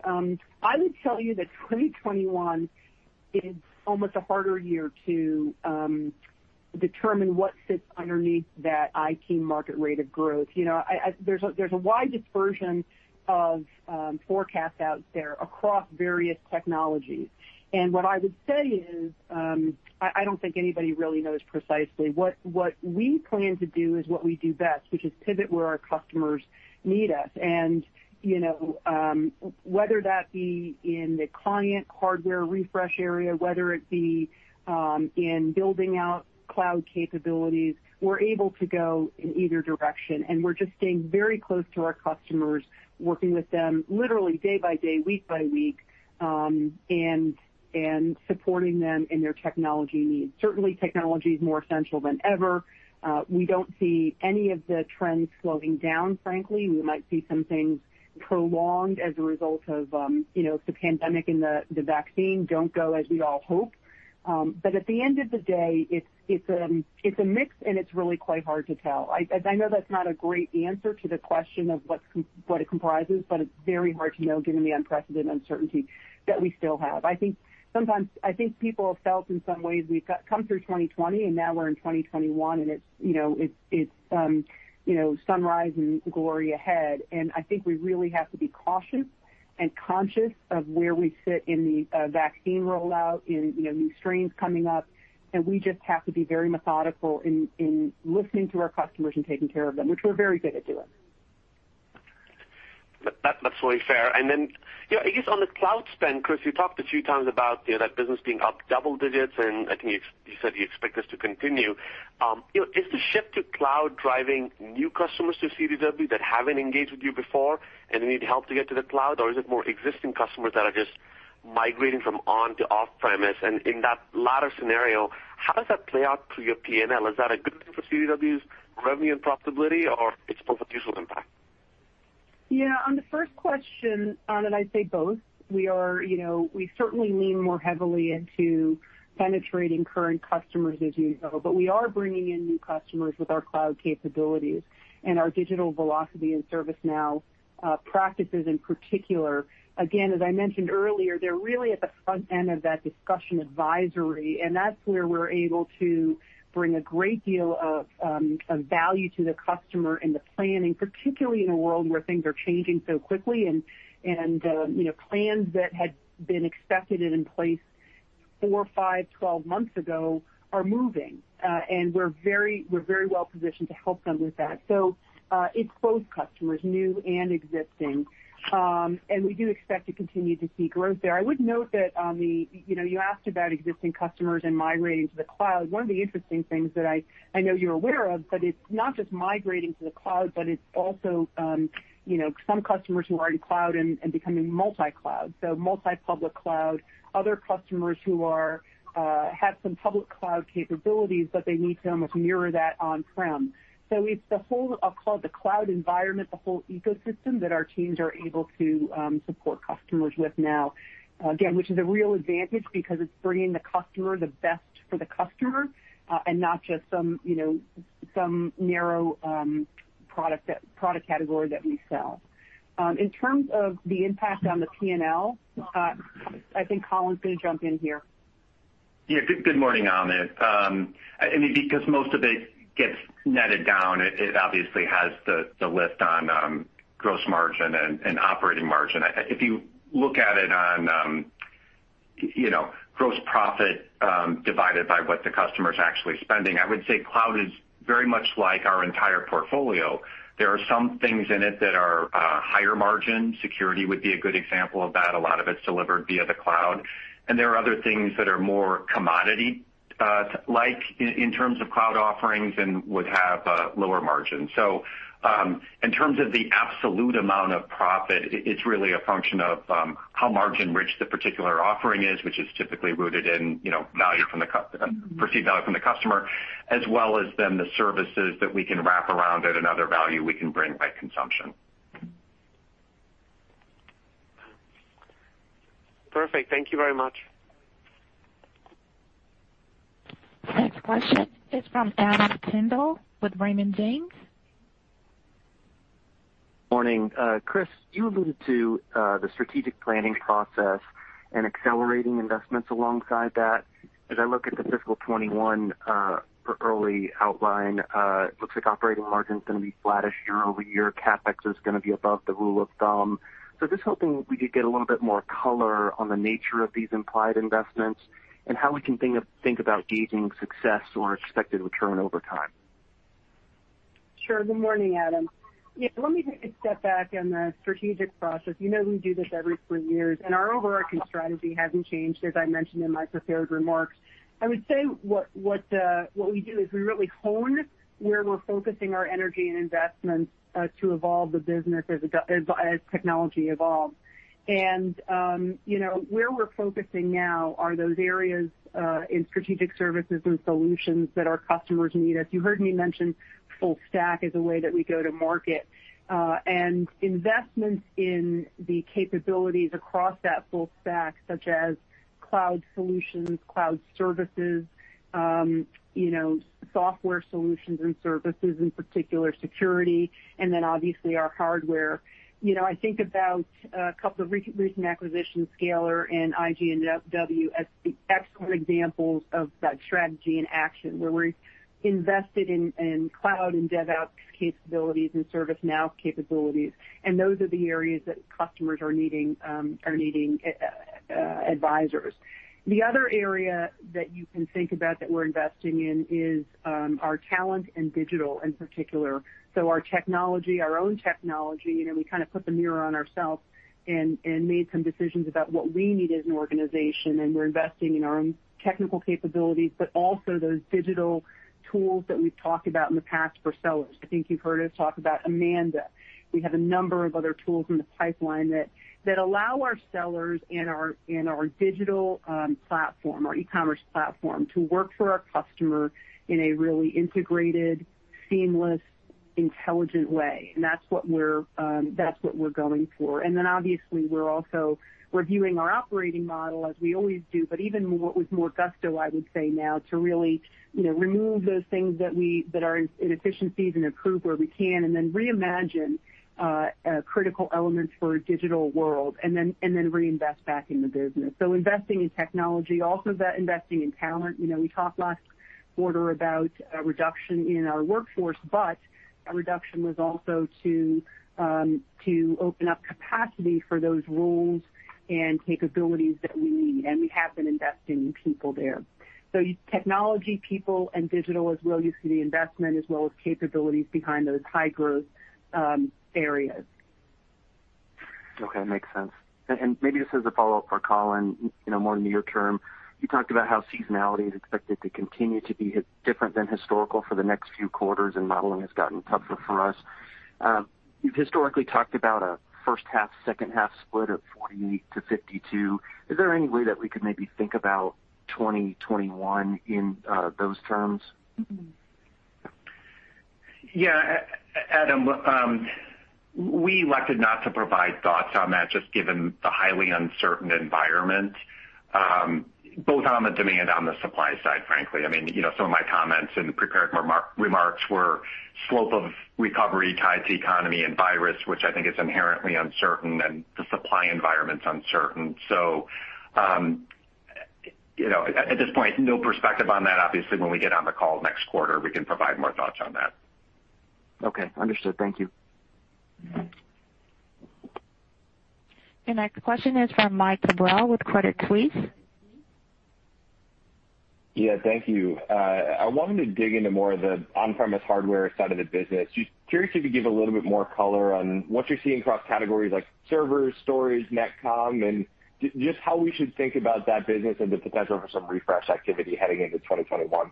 I would tell you that 2021 is almost a harder year to determine what sits underneath that IT market rate of growth. There's a wide dispersion of forecasts out there across various technologies. And what I would say is I don't think anybody really knows precisely. What we plan to do is what we do best, which is pivot where our customers need us. And whether that be in the client hardware refresh area, whether it be in building out cloud capabilities, we're able to go in either direction. And we're just staying very close to our customers, working with them literally day by day, week by week, and supporting them in their technology needs. Certainly, technology is more essential than ever. We don't see any of the trends slowing down, frankly. We might see some things prolonged as a result of the pandemic and the vaccine don't go as we all hope. But at the end of the day, it's a mix, and it's really quite hard to tell. I know that's not a great answer to the question of what it comprises, but it's very hard to know, given the unprecedented uncertainty that we still have. I think people have felt in some ways we've come through 2020, and now we're in 2021, and it's sunrise and glory ahead, and I think we really have to be cautious and conscious of where we sit in the vaccine rollout and new strains coming up. We just have to be very methodical in listening to our customers and taking care of them, which we're very good at doing. That's fully fair. And then I guess on the cloud spend, Chris, you talked a few times about that business being up double digits, and I think you said you expect this to continue. Is the shift to cloud driving new customers to CDW that haven't engaged with you before and need help to get to the cloud, or is it more existing customers that are just migrating from on to off-premise? And in that latter scenario, how does that play out through your P&L? Is that a good thing for CDW's revenue and profitability, or it's both a mutual impact? Yeah. On the first question, I'd say both. We certainly lean more heavily into penetrating current customers, as you know, but we are bringing in new customers with our cloud capabilities and our digital velocity and ServiceNow practices in particular. Again, as I mentioned earlier, they're really at the front end of that discussion advisory, and that's where we're able to bring a great deal of value to the customer and the planning, particularly in a world where things are changing so quickly, and plans that had been expected and in place four, five, 12 months ago are moving, and we're very well-positioned to help them with that, so it's both customers, new and existing, and we do expect to continue to see growth there. I would note that you asked about existing customers and migrating to the cloud. One of the interesting things that I know you're aware of, but it's not just migrating to the cloud, but it's also some customers who are in cloud and becoming multi-cloud. So multi-public cloud, other customers who have some public cloud capabilities, but they need to almost mirror that on-prem. So it's the whole, I'll call it the cloud environment, the whole ecosystem that our teams are able to support customers with now, again, which is a real advantage because it's bringing the customer the best for the customer and not just some narrow product category that we sell. In terms of the impact on the P&L, I think Collin's going to jump in here. Yeah. Good morning, Amit. I mean, because most of it gets netted down, it obviously has the lift on gross margin and operating margin. If you look at it on gross profit divided by what the customer's actually spending, I would say cloud is very much like our entire portfolio. There are some things in it that are higher margin. Security would be a good example of that. A lot of it's delivered via the cloud. And there are other things that are more commodity-like in terms of cloud offerings and would have lower margins. So in terms of the absolute amount of profit, it's really a function of how margin-rich the particular offering is, which is typically rooted in perceived value from the customer, as well as then the services that we can wrap around it and other value we can bring by consumption. Perfect. Thank you very much. Next question is from Adam Tindle with Raymond James. Morning. Chris, you alluded to the strategic planning process and accelerating investments alongside that. As I look at the fiscal 2021 early outline, it looks like operating margin's going to be flattish year over year. CapEx is going to be above the rule of thumb. Just hoping we could get a little bit more color on the nature of these implied investments and how we can think about gauging success or expected return over time. Sure. Good morning, Adam. Yeah. Let me take a step back on the strategic process. You know we do this every three years, and our overarching strategy hasn't changed, as I mentioned in my prepared remarks. I would say what we do is we really hone where we're focusing our energy and investments to evolve the business as technology evolves. And where we're focusing now are those areas in strategic services and solutions that our customers need. As you heard me mention, full stack is a way that we go to market. And investments in the capabilities across that full stack, such as cloud solutions, cloud services, software solutions and services, in particular, security, and then obviously our hardware. I think about a couple of recent acquisitions, Scalar and IGNW, as excellent examples of that strategy in action, where we're invested in cloud and DevOps capabilities and ServiceNow capabilities. And those are the areas that customers are needing advisors. The other area that you can think about that we're investing in is our talent and digital, in particular. So our technology, our own technology, we kind of put the mirror on ourselves and made some decisions about what we need as an organization, and we're investing in our own technical capabilities, but also those digital tools that we've talked about in the past for sellers. I think you've heard us talk about Amanda. We have a number of other tools in the pipeline that allow our sellers and our digital platform, our e-commerce platform, to work for our customer in a really integrated, seamless, intelligent way. And that's what we're going for. And then obviously, we're also reviewing our operating model, as we always do, but even with more gusto, I would say now, to really remove those things that are inefficiencies and improve where we can, and then reimagine critical elements for a digital world, and then reinvest back in the business. So investing in technology, also investing in talent. We talked last quarter about a reduction in our workforce, but a reduction was also to open up capacity for those roles and capabilities that we need. And we have been investing in people there. So technology people and digital as well. You see the investment as well as capabilities behind those high-growth areas. Okay. Makes sense, and maybe just as a follow-up for Collin, more near-term, you talked about how seasonality is expected to continue to be different than historical for the next few quarters, and modeling has gotten tougher for us. You've historically talked about a first-half, second-half split of 48%-52%. Is there any way that we could maybe think about 2021 in those terms? Yeah. Adam, we elected not to provide thoughts on that, just given the highly uncertain environment, both on the demand and on the supply side, frankly. I mean, some of my comments and prepared remarks were slope of recovery tied to economy and virus, which I think is inherently uncertain, and the supply environment's uncertain. So at this point, no perspective on that. Obviously, when we get on the call next quarter, we can provide more thoughts on that. Okay. Understood. Thank you. Your next question is from Matt Cabral with Credit Suisse. Yeah. Thank you. I wanted to dig into more of the on-premise hardware side of the business. Just curious if you could give a little bit more color on what you're seeing across categories like servers, storage, netcom, and just how we should think about that business and the potential for some refresh activity heading into 2021.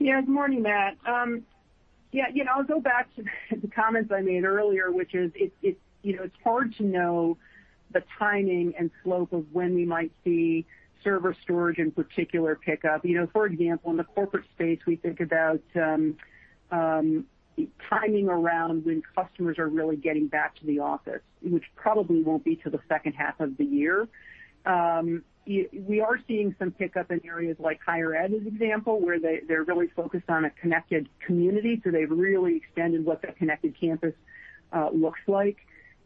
Yeah. Good morning, Matt. Yeah. I'll go back to the comments I made earlier, which is it's hard to know the timing and slope of when we might see server storage, in particular, pick up. For example, in the corporate space, we think about timing around when customers are really getting back to the office, which probably won't be till the second half of the year. We are seeing some pickup in areas like higher ed, as an example, where they're really focused on a connected community. So they've really extended what that connected campus looks like.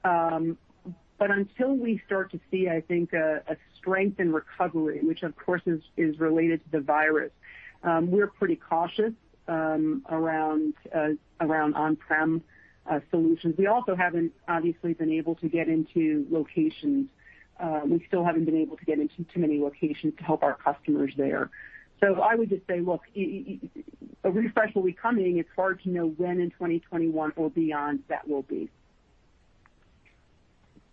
But until we start to see, I think, a strength in recovery, which of course is related to the virus, we're pretty cautious around on-prem solutions. We also haven't obviously been able to get into locations. We still haven't been able to get into too many locations to help our customers there. I would just say, look, a refresh will be coming. It's hard to know when in 2021 or beyond that will be.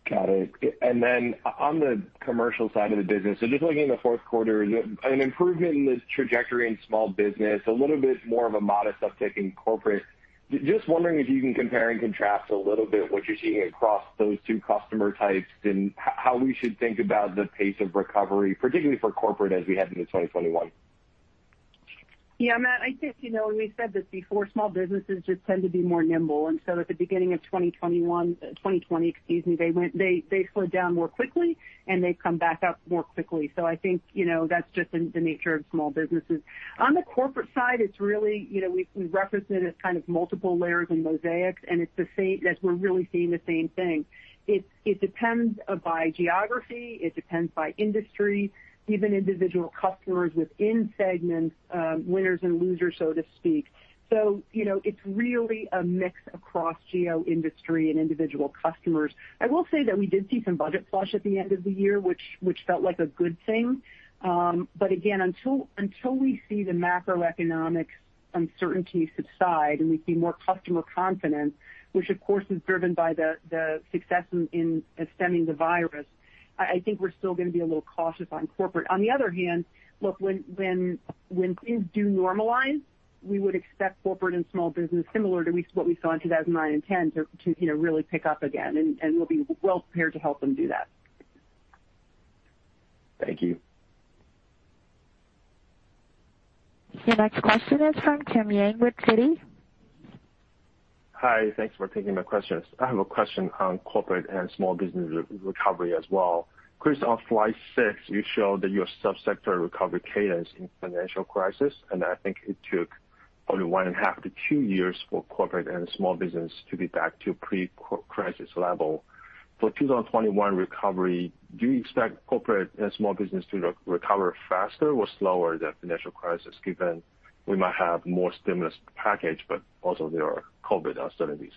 Got it. And then on the commercial side of the business, so just looking at the fourth quarter, an improvement in the trajectory in small business, a little bit more of a modest uptick in corporate. Just wondering if you can compare and contrast a little bit what you're seeing across those two customer types and how we should think about the pace of recovery, particularly for corporate as we head into 2021? Yeah. Matt, I think we said this before. Small businesses just tend to be more nimble. And so at the beginning of 2021, 2020, excuse me, they slowed down more quickly, and they've come back up more quickly. So I think that's just the nature of small businesses. On the corporate side, it's really we've represented kind of multiple layers and mosaics, and we're really seeing the same thing. It depends by geography. It depends by industry, even individual customers within segments, winners and losers, so to speak. So it's really a mix across geo, industry and individual customers. I will say that we did see some budget flush at the end of the year, which felt like a good thing. But again, until we see the macroeconomic uncertainty subside and we see more customer confidence, which of course is driven by the success in stemming the virus, I think we're still going to be a little cautious on corporate. On the other hand, look, when things do normalize, we would expect corporate and small business, similar to what we saw in 2009 and 2010, to really pick up again, and we'll be well-prepared to help them do that. Thank you. Your next question is from Jim Suva with Citi. Hi. Thanks for taking my question. I have a question on corporate and small business recovery as well. Chris, on slide six, you showed that your subsector recovery cadence in financial crisis, and I think it took only one and a half to two years for corporate and small business to be back to pre-crisis level. For 2021 recovery, do you expect corporate and small business to recover faster or slower than financial crisis, given we might have more stimulus package, but also there are COVID uncertainties?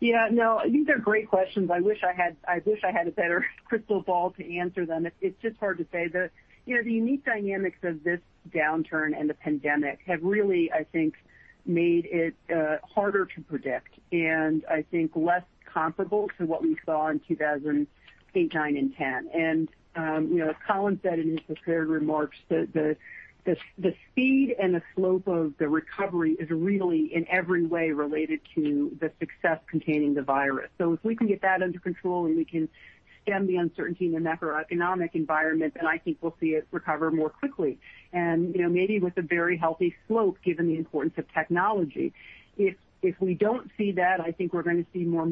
Yeah. No, I think they're great questions. I wish I had a better crystal ball to answer them. It's just hard to say. The unique dynamics of this downturn and the pandemic have really, I think, made it harder to predict and I think less comparable to what we saw in 2008, 2009, and 2010. And as Collin said in his prepared remarks, the speed and the slope of the recovery is really, in every way, related to the success containing the virus. So if we can get that under control and we can stem the uncertainty in the macroeconomic environment, then I think we'll see it recover more quickly. And maybe with a very healthy slope, given the importance of technology. If we don't see that, I think we're going to see more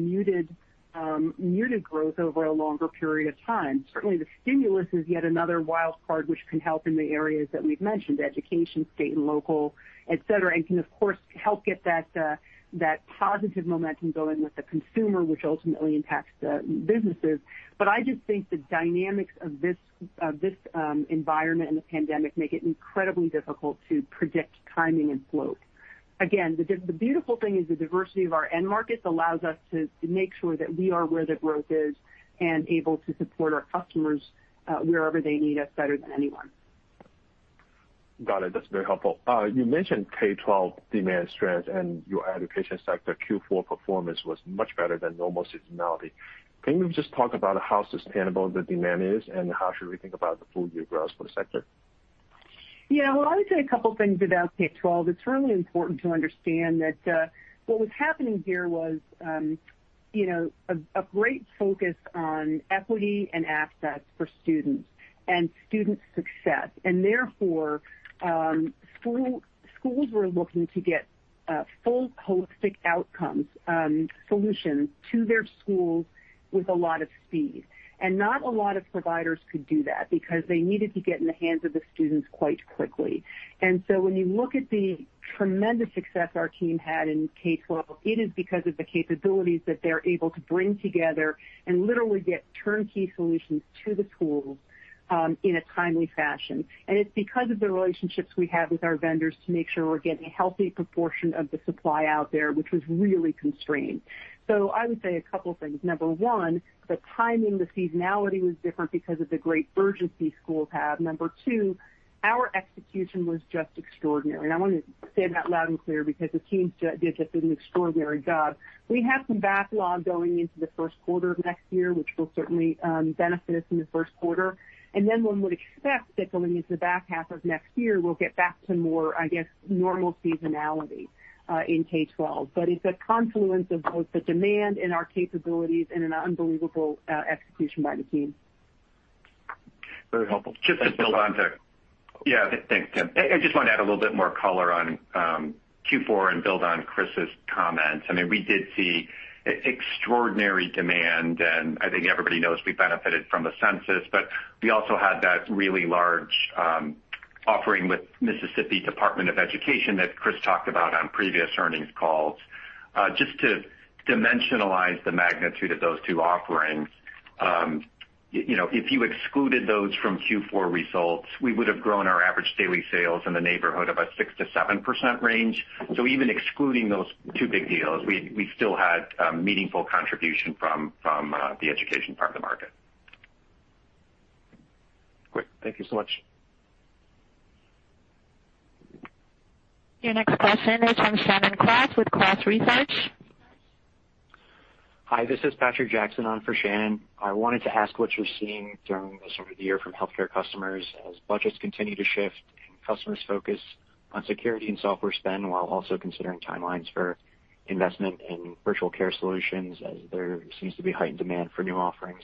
muted growth over a longer period of time. Certainly, the stimulus is yet another wild card, which can help in the areas that we've mentioned: education, state and local, etc., and can, of course, help get that positive momentum going with the consumer, which ultimately impacts the businesses. But I just think the dynamics of this environment and the pandemic make it incredibly difficult to predict timing and slope. Again, the beautiful thing is the diversity of our end markets allows us to make sure that we are where the growth is and able to support our customers wherever they need us better than anyone. Got it. That's very helpful. You mentioned K-12 demand strength and your education sector Q4 performance was much better than normal seasonality. Can you just talk about how sustainable the demand is and how should we think about the full year growth for the sector? Yeah. Well, I would say a couple of things about K-12. It's really important to understand that what was happening here was a great focus on equity and assets for students and student success. And therefore, schools were looking to get full holistic outcomes, solutions to their schools with a lot of speed. And not a lot of providers could do that because they needed to get in the hands of the students quite quickly. And so when you look at the tremendous success our team had in K-12, it is because of the capabilities that they're able to bring together and literally get turnkey solutions to the schools in a timely fashion. And it's because of the relationships we have with our vendors to make sure we're getting a healthy proportion of the supply out there, which was really constrained. So I would say a couple of things. Number one, the timing, the seasonality was different because of the great urgency schools have. Number two, our execution was just extraordinary, and I want to say that loud and clear because the teams did just an extraordinary job. We have some backlog going into the first quarter of next year, which will certainly benefit us in the first quarter, and then one would expect that going into the back half of next year, we'll get back to more, I guess, normal seasonality in K-12, but it's a confluence of both the demand and our capabilities and an unbelievable execution by the team. Very helpful. Just to build on to, yeah. Thanks, Tim. I just wanted to add a little bit more color on Q4 and build on Chris's comments. I mean, we did see extraordinary demand, and I think everybody knows we benefited from the census, but we also had that really large offering with Mississippi Department of Education that Chris talked about on previous earnings calls. Just to dimensionalize the magnitude of those two offerings, if you excluded those from Q4 results, we would have grown our average daily sales in the neighborhood of a 6% to 7% range. So even excluding those two big deals, we still had meaningful contribution from the education part of the market. Great. Thank you so much. Your next question is from Shannon Cross with Cross Research. Hi. This is Patrick Jackson on for Shannon. I wanted to ask what you're seeing during the summer of the year from healthcare customers as budgets continue to shift and customers focus on security and software spend while also considering timelines for investment in virtual care solutions as there seems to be heightened demand for new offerings,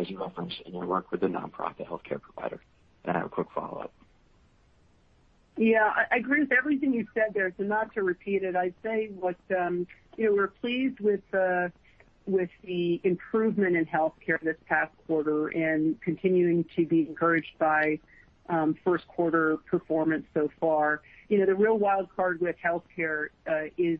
as you referenced in your work with the nonprofit healthcare provider? And I have a quick follow-up. Yeah. I agree with everything you said there. So not to repeat it, I'd say we're pleased with the improvement in healthcare this past quarter and continuing to be encouraged by first-quarter performance so far. The real wild card with healthcare is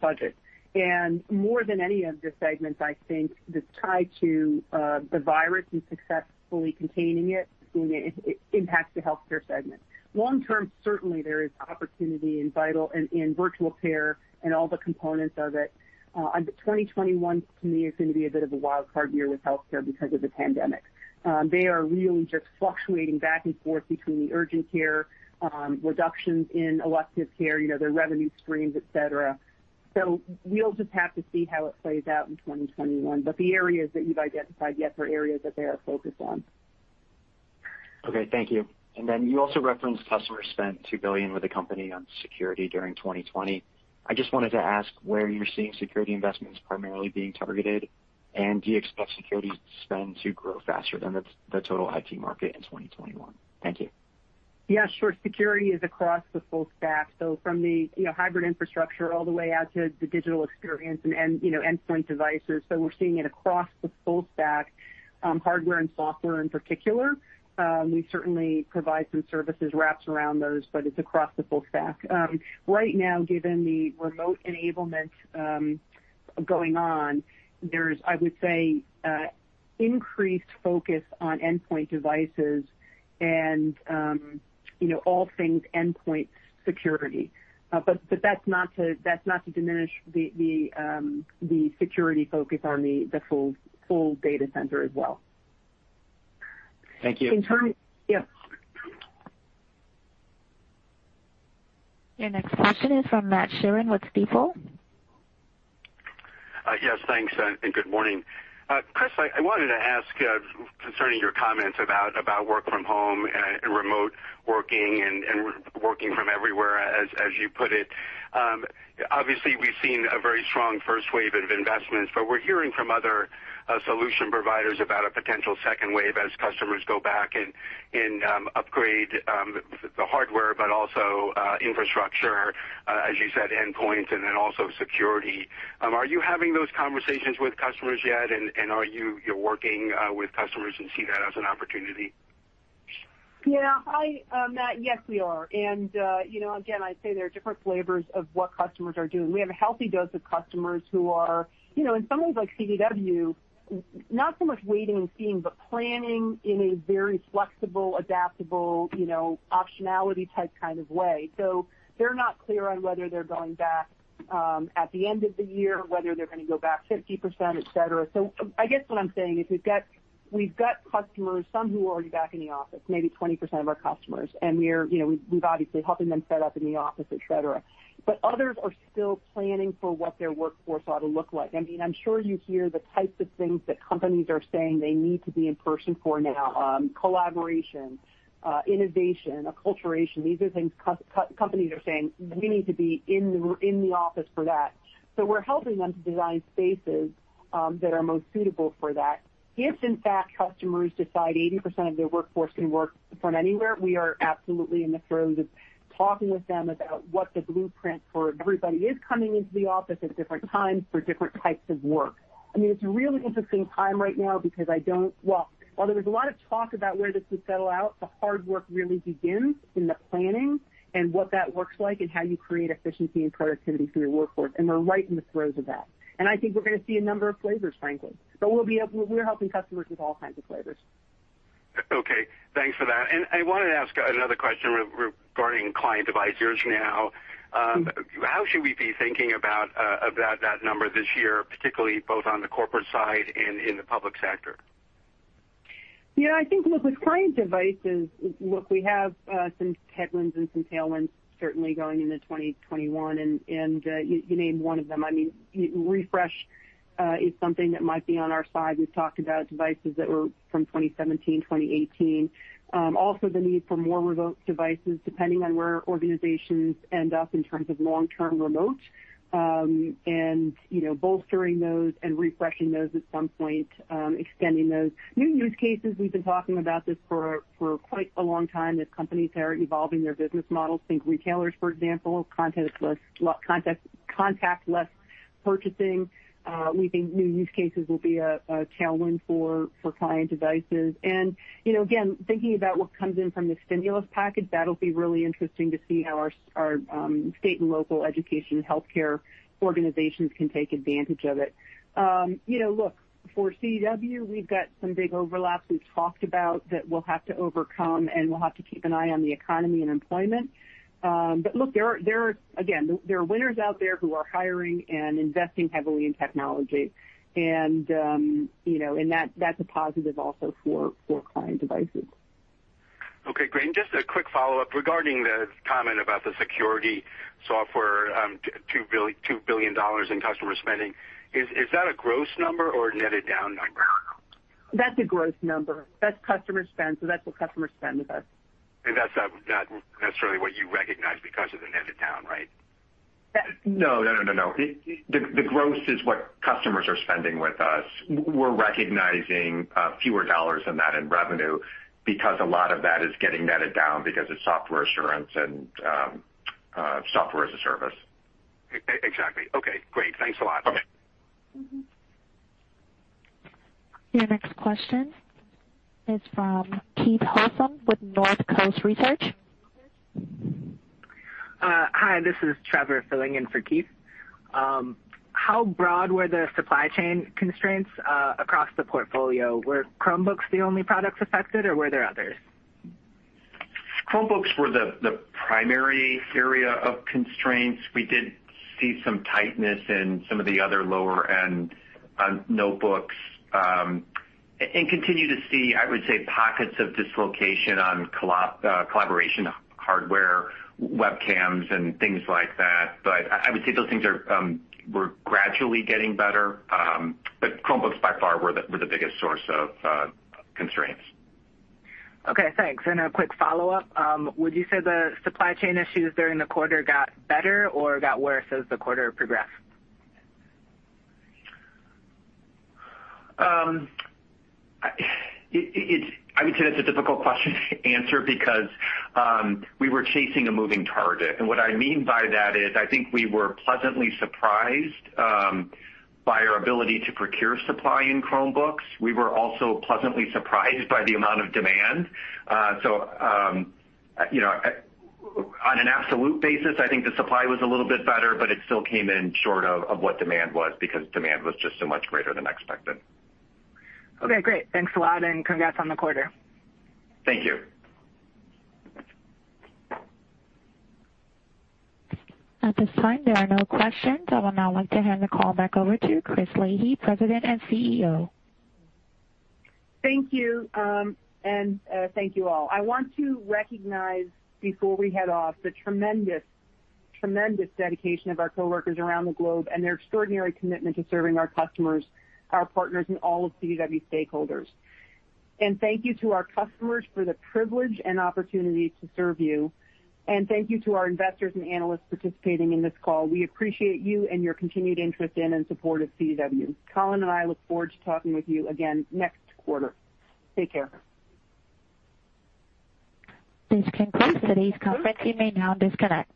budget. And more than any of the segments, I think, the tie to the virus and successfully containing it, seeing it impact the healthcare segment. Long-term, certainly, there is opportunity in virtual care and all the components of it. 2021, to me, is going to be a bit of a wild card year with healthcare because of the pandemic. They are really just fluctuating back and forth between the urgent care, reductions in elective care, their revenue streams, etc. So we'll just have to see how it plays out in 2021. But the areas that you've identified yet are areas that they are focused on. Okay. Thank you. And then you also referenced customer spend, $2 billion with the company on security during 2020. I just wanted to ask where you're seeing security investments primarily being targeted, and do you expect security spend to grow faster than the total IT market in 2021? Thank you. Yeah. Sure. Security is across the full stack. So from the hybrid infrastructure all the way out to the digital experience and endpoint devices. So we're seeing it across the full stack, hardware and software in particular. We certainly provide some services wrapped around those, but it's across the full stack. Right now, given the remote enablement going on, there's, I would say, increased focus on endpoint devices and all things endpoint security. But that's not to diminish the security focus on the full data center as well. Thank you. In terms—yeah. Your next question is from Matt Sheerin with Stifel. Yes. Thanks and good morning. Chris, I wanted to ask concerning your comments about work from home and remote working and working from everywhere, as you put it. Obviously, we've seen a very strong first wave of investments, but we're hearing from other solution providers about a potential second wave as customers go back and upgrade the hardware, but also infrastructure, as you said, endpoint, and then also security. Are you having those conversations with customers yet, and are you working with customers and see that as an opportunity? Yeah. Hi, Matt. Yes, we are. And again, I'd say there are different flavors of what customers are doing. We have a healthy dose of customers who are, in some ways, like CDW, not so much waiting and seeing, but planning in a very flexible, adaptable optionality type kind of way. So they're not clear on whether they're going back at the end of the year, whether they're going to go back 50%, etc. So I guess what I'm saying is we've got customers, some who are already back in the office, maybe 20% of our customers, and we've obviously helped them set up in the office, etc. But others are still planning for what their workforce ought to look like. I mean, I'm sure you hear the types of things that companies are saying they need to be in person for now: collaboration, innovation, acculturation. These are things companies are saying, "We need to be in the office for that." So we're helping them to design spaces that are most suitable for that. If, in fact, customers decide 80% of their workforce can work from anywhere, we are absolutely in the throes of talking with them about what the blueprint for everybody is coming into the office at different times for different types of work. I mean, it's a really interesting time right now because I don't, well, while there was a lot of talk about where this would settle out, the hard work really begins in the planning and what that looks like and how you create efficiency and productivity for your workforce. And we're right in the throes of that. And I think we're going to see a number of flavors, frankly. But we're helping customers with all kinds of flavors. Okay. Thanks for that. I wanted to ask another question regarding client devices now. How should we be thinking about that number this year, particularly both on the corporate side and in the public sector? Yeah. I think, look, with client devices, look, we have some headwinds and some tailwinds certainly going into 2021, and you named one of them. I mean, refresh is something that might be on our side. We've talked about devices that were from 2017, 2018. Also, the need for more remote devices depending on where organizations end up in terms of long-term remote and bolstering those and refreshing those at some point, extending those. New use cases, we've been talking about this for quite a long time as companies are evolving their business models. Think retailers, for example, contactless purchasing. We think new use cases will be a tailwind for client devices. And again, thinking about what comes in from the stimulus package, that'll be really interesting to see how our state and local education and healthcare organizations can take advantage of it. Look, for CDW, we've got some big overlaps we've talked about that we'll have to overcome, and we'll have to keep an eye on the economy and employment. But look, again, there are winners out there who are hiring and investing heavily in technology, and that's a positive also for client devices. Okay. Great. And just a quick follow-up regarding the comment about the security software, $2 billion in customer spending. Is that a gross number or a netted down number? That's a gross number. That's customer spend. So that's what customers spend with us. That's not necessarily what you recognize because of the netted down, right? That. No, no, no, no, no. The gross is what customers are spending with us. We're recognizing fewer dollars than that in revenue because a lot of that is getting netted down because of software assurance and software as a service. Exactly. Okay. Great. Thanks a lot. Your next question is from Keith Housum with Northcoast Research. Hi. This is Trevor Fillinger for Keith. How broad were the supply chain constraints across the portfolio? Were Chromebooks the only products affected, or were there others? Chromebooks were the primary area of constraints. We did see some tightness in some of the other lower-end notebooks and continue to see, I would say, pockets of dislocation on collaboration hardware, webcams, and things like that. But I would say those things were gradually getting better. But Chromebooks, by far, were the biggest source of constraints. Okay. Thanks. And a quick follow-up. Would you say the supply chain issues during the quarter got better or got worse as the quarter progressed? I would say that's a difficult question to answer because we were chasing a moving target, and what I mean by that is I think we were pleasantly surprised by our ability to procure supply in Chromebooks. We were also pleasantly surprised by the amount of demand, so on an absolute basis, I think the supply was a little bit better, but it still came in short of what demand was because demand was just so much greater than expected. Okay. Great. Thanks a lot, and congrats on the quarter. Thank you. At this time, there are no questions. I would now like to hand the call back over to Chris Leahy, President and CEO. Thank you. And thank you all. I want to recognize before we head off the tremendous, tremendous dedication of our coworkers around the globe and their extraordinary commitment to serving our customers, our partners, and all of CDW stakeholders. And thank you to our customers for the privilege and opportunity to serve you. And thank you to our investors and analysts participating in this call. We appreciate you and your continued interest in and support of CDW. Collin and I look forward to talking with you again next quarter. Take care. Thanks, Tim. Today's conference may now disconnect.